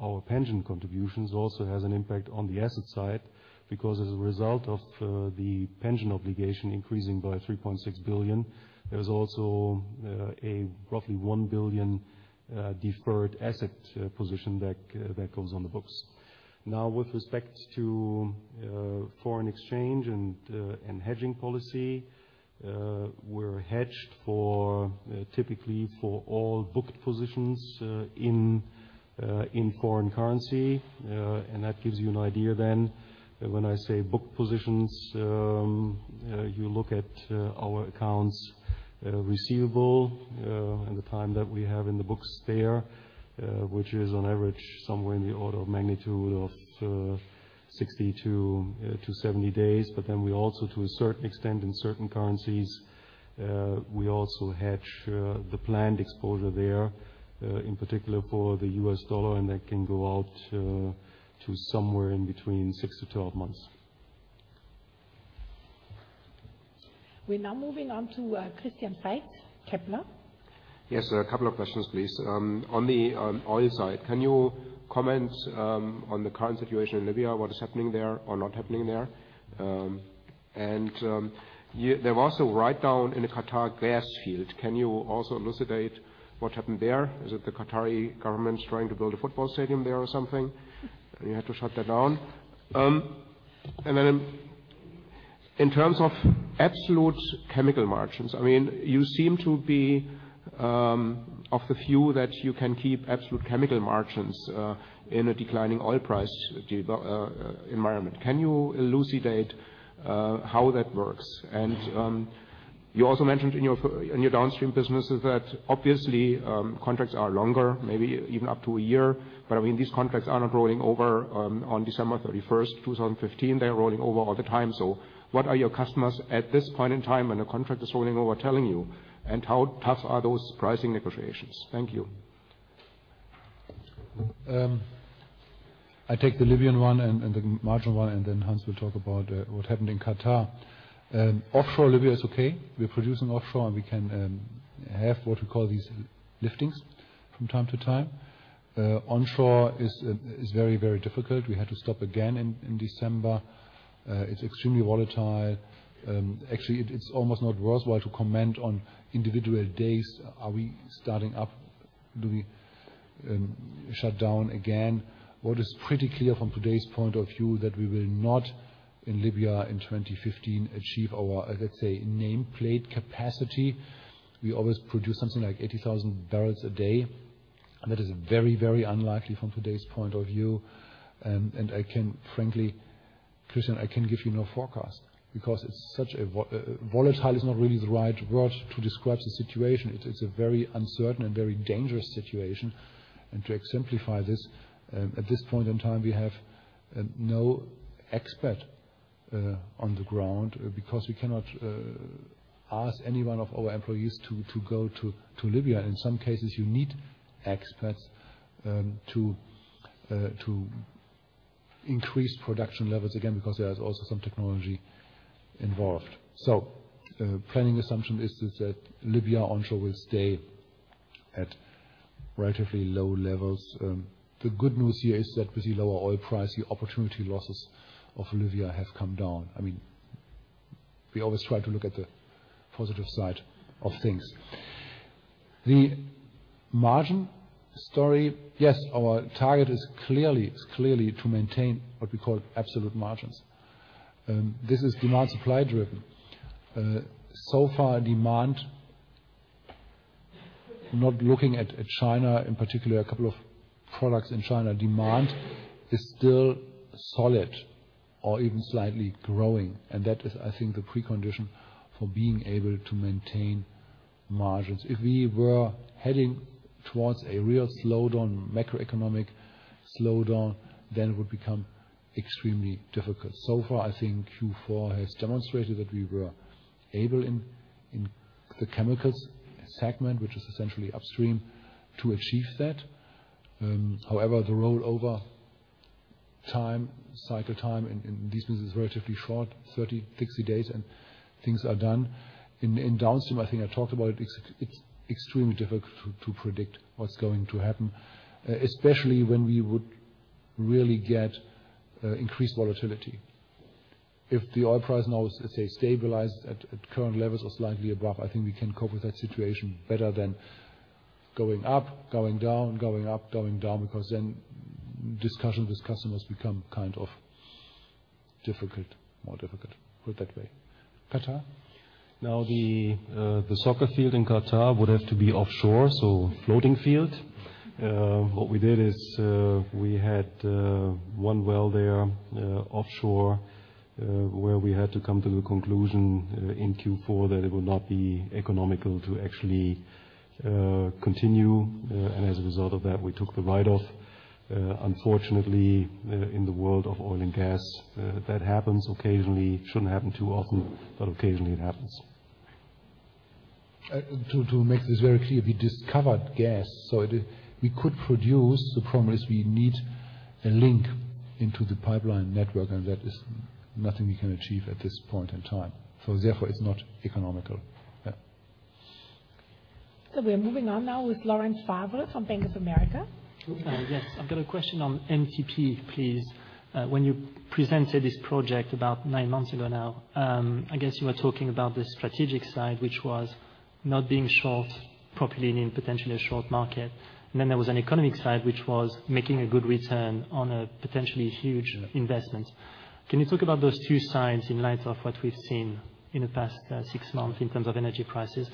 our pension contributions. It also has an impact on the asset side, because as a result of the pension obligation increasing by 3.6 billion, there is also a roughly 1 billion deferred asset position that goes on the books. Now, with respect to foreign exchange and hedging policy, we're typically hedged for all booked positions in foreign currency. That gives you an idea then. When I say booked positions, you look at our accounts receivable and the time that we have in the books there, which is on average somewhere in the order of magnitude of 60-70 days. We also, to a certain extent, in certain currencies, we also hedge the planned exposure there, in particular for the U.S. dollar, and that can go out to somewhere in between 6-12 months. We're now moving on to Christian Faitz, Kepler. Yes, a couple of questions, please. On the oil side, can you comment on the current situation in Libya, what is happening there or not happening there? There was a write-down in the Qatar gas field. Can you also elucidate what happened there? Is it the Qatari government's trying to build a football stadium there or something, and you had to shut that down? In terms of absolute chemical margins, I mean, you seem to be of the few that you can keep absolute chemical margins in a declining oil price environment. Can you elucidate how that works? You also mentioned in your downstream businesses that obviously, contracts are longer, maybe even up to a year. I mean, these contracts are not rolling over on December 31st, 2015. They are rolling over all the time. What are your customers at this point in time when a contract is rolling over telling you? How tough are those pricing negotiations? Thank you. I take the Libyan one and the margin one, and then Hans will talk about what happened in Qatar. Offshore Libya is okay. We're producing offshore, and we can have what we call these liftings from time to time. Onshore is very, very difficult. We had to stop again in December. It's extremely volatile. Actually, it's almost not worthwhile to comment on individual days. Are we starting up? Do we shut down again? What is pretty clear from today's point of view that we will not in Libya in 2015 achieve our, let's say, nameplate capacity. We always produce something like 80,000 barrels a day. That is very, very unlikely from today's point of view. I can frankly, Christian, give you no forecast because it's such a volatile is not really the right word to describe the situation. It's a very uncertain and very dangerous situation. To exemplify this, at this point in time, we have no expert On the ground, because we cannot ask any one of our employees to go to Libya. In some cases, you need experts to increase production levels again, because there is also some technology involved. The planning assumption is that Libya onshore will stay at relatively low levels. The good news here is that with the lower oil price, the opportunity losses of Libya have come down. I mean, we always try to look at the positive side of things. The margin story, yes, our target is clearly to maintain what we call absolute margins. This is demand supply driven. So far demand, not looking at China in particular, a couple of products in China, demand is still solid or even slightly growing. That is, I think, the precondition for being able to maintain margins. If we were heading towards a real slowdown, macroeconomic slowdown, then it would become extremely difficult. So far, I think Q4 has demonstrated that we were able in the Chemicals segment, which is essentially upstream, to achieve that. However, the rollover time, cycle time in this business is relatively short, 30, 60 days and things are done. In downstream, I think I talked about it's extremely difficult to predict what's going to happen, especially when we would really get increased volatility. If the oil price now is, let's say, stabilized at current levels or slightly above, I think we can cope with that situation better than going up, going down, going up, going down, because then discussion with customers become kind of difficult, more difficult, put it that way. Qatar? Now the soccer field in Qatar would have to be offshore, so floating field. What we did is, we had one well there, offshore, where we had to come to the conclusion in Q4 that it would not be economical to actually continue. As a result of that, we took the write-off. Unfortunately, in the world of oil and gas, that happens occasionally. Shouldn't happen too often, but occasionally it happens. To make this very clear, we discovered gas, so we could produce. The problem is we need a link into the pipeline network, and that is nothing we can achieve at this point in time. Therefore, it's not economical. Yeah. We are moving on now with Laurent Favre from Bank of America. Yes. I've got a question on MTP, please. When you presented this project about nine months ago now, I guess you were talking about the strategic side, which was not being short properly in potentially a short market. There was an economic side which was making a good return on a potentially huge investment. Can you talk about those two sides in light of what we've seen in the past six months in terms of energy prices?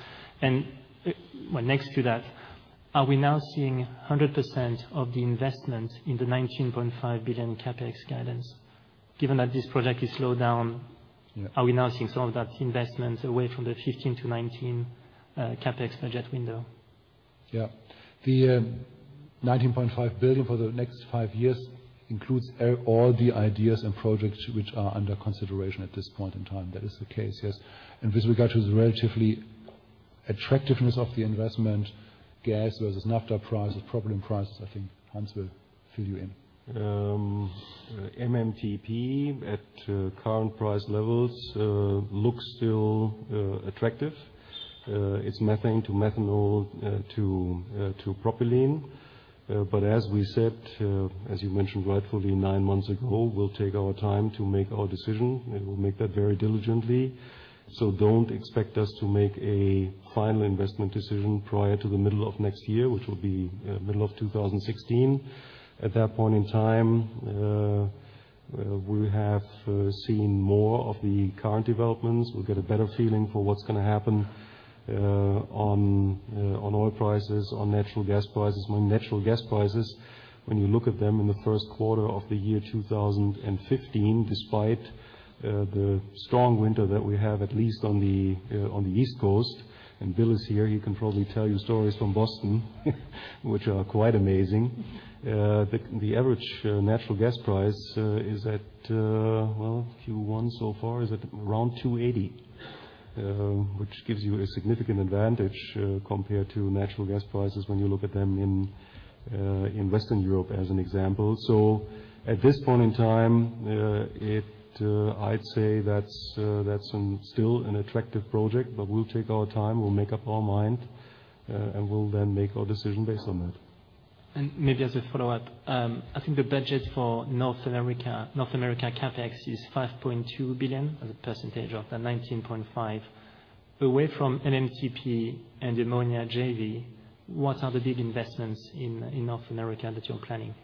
Next to that, are we now seeing 100% of the investment in the 19.5 billion CapEx guidance, given that this project is slowed down. Yeah. Are we now seeing some of that investment away from the 15-19 CapEx budget window? Yeah. The 19.5 billion for the next five years includes all the ideas and projects which are under consideration at this point in time. That is the case, yes. With regard to the relative attractiveness of the investment, gas versus naphtha prices, propylene prices, I think Hans-Ulrich Engel will fill you in. MTP at current price levels looks still attractive. It's methane to methanol to propylene. As we said, as you mentioned rightfully nine months ago, we'll take our time to make our decision, and we'll make that very diligently. Don't expect us to make a final investment decision prior to the middle of next year, which will be middle of 2016. At that point in time, we will have seen more of the current developments. We'll get a better feeling for what's gonna happen on oil prices, on natural gas prices. Now natural gas prices, when you look at them in the first quarter of 2015, despite the strong winter that we have, at least on the East Coast, and Bill is here, he can probably tell you stories from Boston which are quite amazing. The average natural gas price is at, well, Q1 so far is at around $2.80, which gives you a significant advantage compared to natural gas prices when you look at them in Western Europe as an example. At this point in time, I'd say that's still an attractive project, but we'll take our time. We'll make up our mind, and we'll then make our decision based on that. Maybe as a follow-up, I think the budget for North America CapEx is 5.2 billion as a percentage of the 19.5. Away from MTP and Ammonia JV, what are the big investments in North America that you're planning?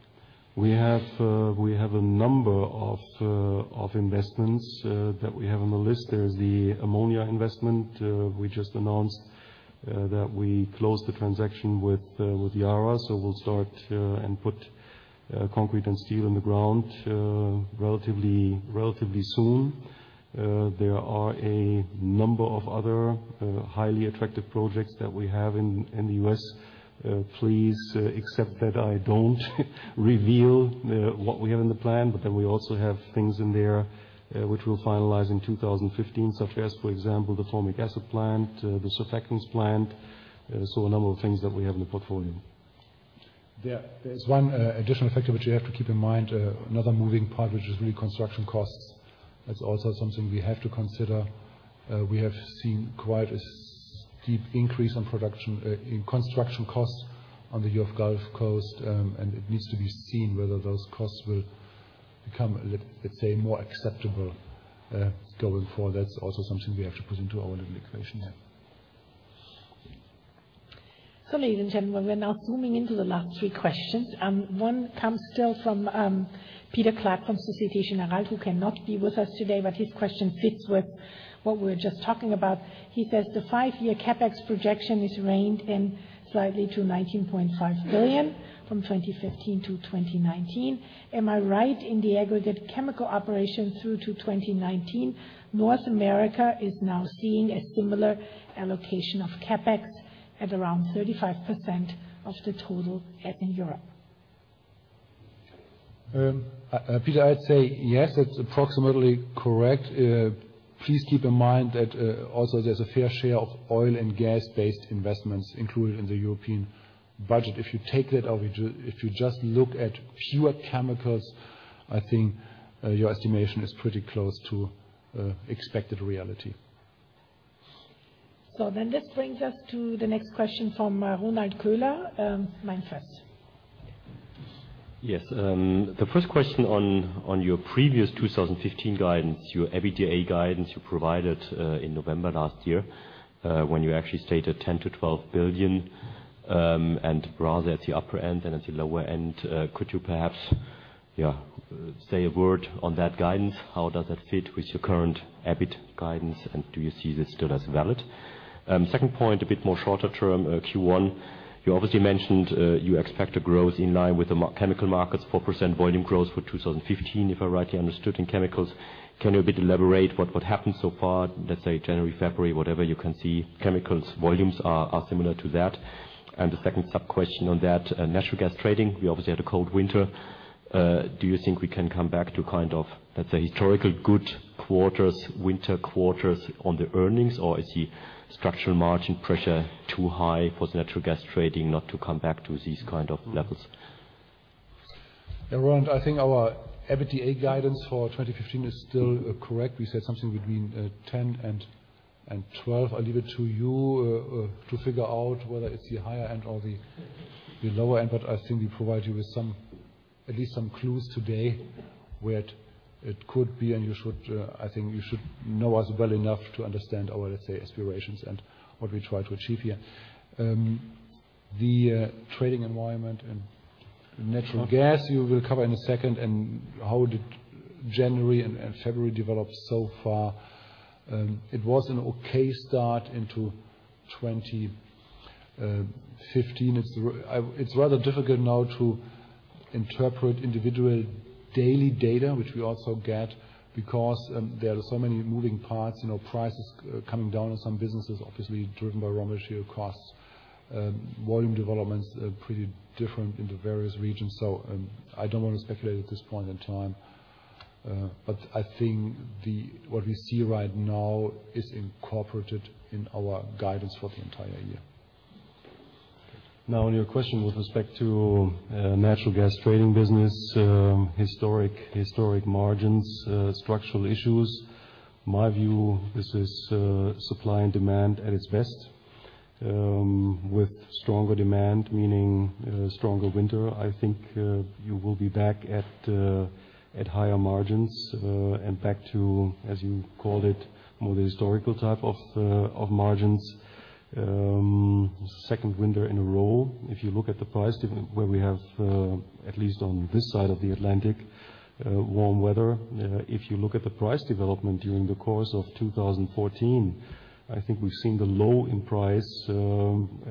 We have a number of investments that we have on the list. There's the ammonia investment. We just announced that we closed the transaction with Yara. We'll start and put concrete and steel in the ground relatively soon. There are a number of other highly attractive projects that we have in the U.S. Please accept that I don't reveal what we have in the plan, but then we also have things in there which we'll finalize in 2015, such as, for example, the formic acid plant, the surfactants plant. A number of things that we have in the portfolio. There is one additional factor which you have to keep in mind, another moving part, which is reconstruction costs. That's also something we have to consider. We have seen quite a steep increase in production and construction costs on the Gulf Coast, and it needs to be seen whether those costs will become, let's say, more acceptable going forward. That's also something we have to put into our little equation there. Ladies and gentlemen, we're now zooming into the last three questions, and one comes still from Peter Clark from Société Générale, who cannot be with us today, but his question fits with what we were just talking about. He says, "The five-year CapEx projection is reined in slightly to 19.5 billion from 2015 to 2019. Am I right in the aggregate chemical operation through to 2019, North America is now seeing a similar allocation of CapEx at around 35% of the total as in Europe? Peter, I'd say, yes, that's approximately correct. Please keep in mind that also there's a fair share of oil and gas-based investments included in the European budget. If you take that out or if you just look at pure chemicals, I think your estimation is pretty close to expected reality. This brings us to the next question from Ronald Köhler, MainFirst. Yes, the first question on your previous 2015 guidance, your EBITDA guidance you provided in November last year, when you actually stated 10 billion-12 billion, and rather at the upper end than at the lower end. Could you perhaps say a word on that guidance? How does that fit with your current EBIT guidance, and do you see this still as valid? Second point, a bit more short-term, Q1. You obviously mentioned you expect a growth in line with the chemical markets, 4% volume growth for 2015, if I rightly understood, in chemicals. Can you elaborate a bit on what happened so far? Let's say January, February, whatever you can see, chemicals volumes are similar to that. The second sub-question on that, natural gas trading. We obviously had a cold winter. Do you think we can come back to kind of, let's say, historical good quarters, winter quarters on the earnings? Or is the structural margin pressure too high for natural gas trading not to come back to these kind of levels? Yeah, Ronald, I think our EBITDA guidance for 2015 is still correct. We said something between 10 and 12. I'll leave it to you to figure out whether it's the higher end or the lower end. I think we provide you with some at least some clues today where it could be, and you should I think you should know us well enough to understand our let's say aspirations and what we try to achieve here. The trading environment and natural gas you will cover in a second, and how did January and February develop so far? It was an okay start into 2015. It's rather difficult now to interpret individual daily data, which we also get, because there are so many moving parts. You know, prices coming down in some businesses, obviously driven by raw material costs. Volume developments are pretty different in the various regions. I don't want to speculate at this point in time. I think what we see right now is incorporated in our guidance for the entire year. Now, on your question with respect to natural gas trading business, historic margins, structural issues. My view, this is supply and demand at its best, with stronger demand, meaning stronger winter. I think you will be back at higher margins, and back to, as you called it, more the historical type of margins. Second winter in a row, if you look at the price development where we have, at least on this side of the Atlantic, warm weather. If you look at the price development during the course of 2014, I think we've seen the low in price,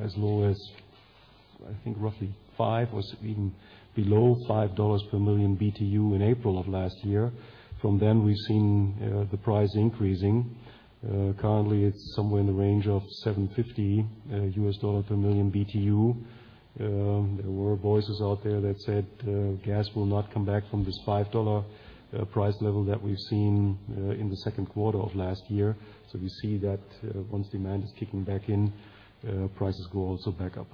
as low as, I think, roughly $5 or even below $5 per million BTU in April of last year. From then, we've seen the price increasing. Currently it's somewhere in the range of $750 per million BTU. There were voices out there that said gas will not come back from this $5 price level that we've seen in the second quarter of last year. We see that once demand is kicking back in, prices go also back up.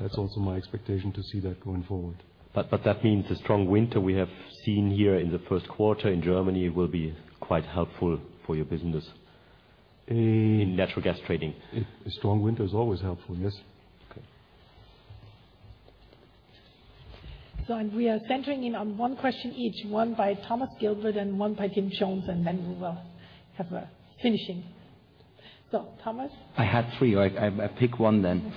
That's also my expectation to see that going forward. That means the strong winter we have seen here in the first quarter in Germany will be quite helpful for your business. Uh- in natural gas trading. A strong winter is always helpful, yes. Okay. We are zeroing in on one question each, one by Thomas Wrigglesworth and one by Tim Jones, and then we will have a finishing. Thomas? I had three. I pick one then.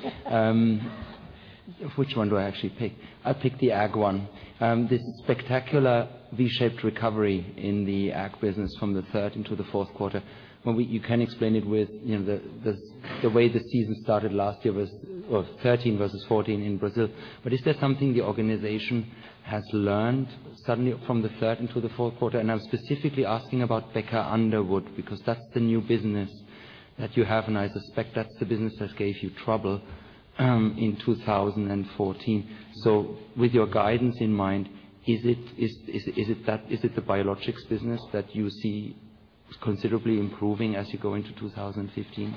Which one do I actually pick? I pick the ag one. This spectacular V-shaped recovery in the ag business from the third into the fourth quarter. You can explain it with, you know, the way the season started last year was 2013 versus 2014 in Brazil. Is there something the organization has learned suddenly from the third into the fourth quarter? I'm specifically asking about Becker Underwood, because that's the new business that you have, and I suspect that's the business that gave you trouble in 2014. With your guidance in mind, is it the biologics business that you see considerably improving as you go into 2015?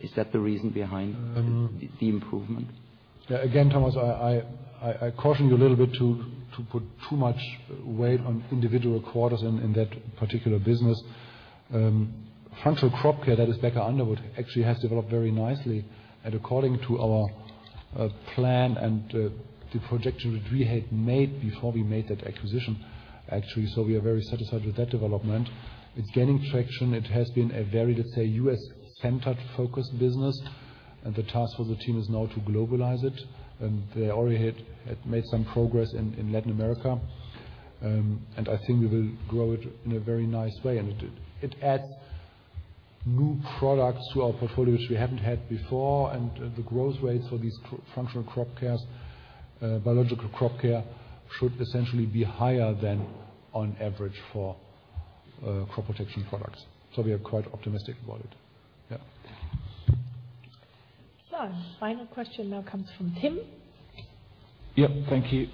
Is that the reason behind the improvement? Yeah. Again, Thomas, I caution you a little bit to put too much weight on individual quarters in that particular business. Functional crop care, that is Becker Underwood, actually has developed very nicely and according to our plan and the projection that we had made before we made that acquisition, actually. We are very satisfied with that development. It's gaining traction. It has been a very, let's say, U.S.-centered focused business, and the task for the team is now to globalize it, and they already had made some progress in Latin America. I think we will grow it in a very nice way, and it adds new products to our portfolio which we haven't had before, and the growth rates for these functional crop cares, biological crop care should essentially be higher than on average for crop protection products. We are quite optimistic about it. Yeah. Final question now comes from Tim. Yep, thank you.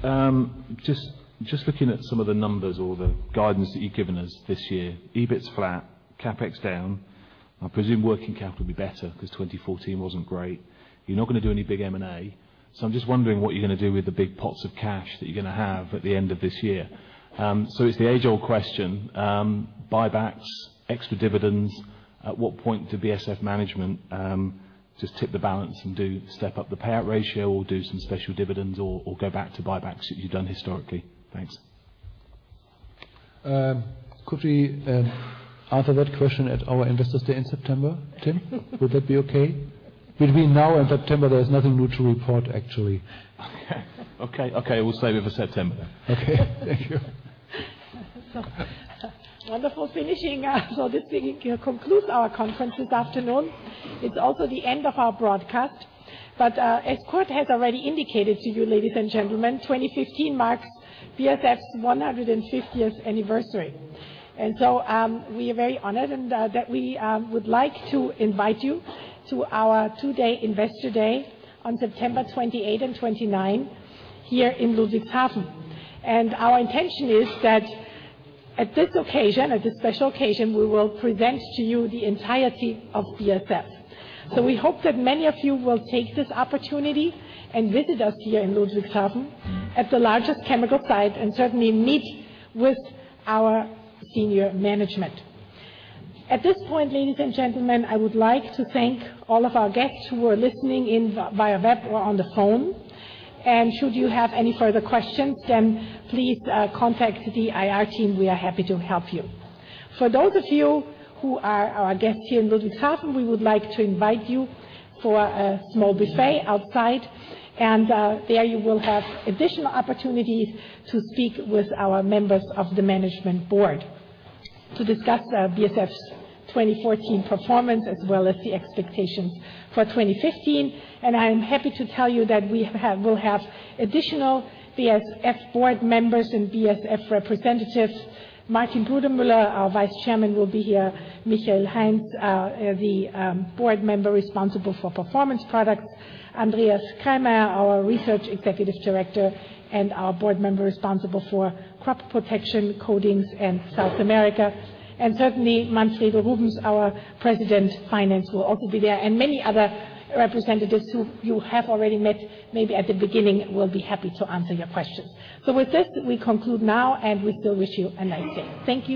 Just looking at some of the numbers or the guidance that you've given us this year. EBIT's flat, CapEx down. I presume working capital will be better because 2014 wasn't great. You're not gonna do any big M&A. I'm just wondering what you're gonna do with the big pots of cash that you're gonna have at the end of this year. It's the age-old question, buybacks, extra dividends, at what point do BASF management just tip the balance and do step up the payout ratio or do some special dividends or go back to buybacks that you've done historically? Thanks. Could we answer that question at our Investors Day in September, Tim? Would that be okay? Between now and September, there's nothing new to report, actually. Okay. Okay, we'll save it for September. Okay, thank you. Wonderful finishing. This concludes our conference this afternoon. It's also the end of our broadcast. As Kurt has already indicated to you, ladies and gentlemen, 2015 marks BASF's 150th anniversary. We are very honored and that we would like to invite you to our two-day Investor Day on September 28 and 29 here in Ludwigshafen. Our intention is that at this occasion, at this special occasion, we will present to you the entirety of BASF. We hope that many of you will take this opportunity and visit us here in Ludwigshafen at the largest chemical site and certainly meet with our senior management. At this point, ladies and gentlemen, I would like to thank all of our guests who are listening in via web or on the phone. Should you have any further questions, then please contact the IR team. We are happy to help you. For those of you who are our guests here in Ludwigshafen, we would like to invite you for a small buffet outside, and there you will have additional opportunities to speak with our members of the management board to discuss BASF's 2014 performance as well as the expectations for 2015. I am happy to tell you that we'll have additional BASF board members and BASF representatives. Martin Brudermüller, our Vice Chairman, will be here. Michael Heinz, our Board Member responsible for performance products. Andreas Kreimeyer, our Research Executive Director and our Board Member responsible for crop protection, coatings, and South America. Certainly, Manfredo Rübens, our President Finance, will also be there, and many other representatives who you have already met, maybe at the beginning, will be happy to answer your questions. With this, we conclude now, and we still wish you a nice day. Thank you.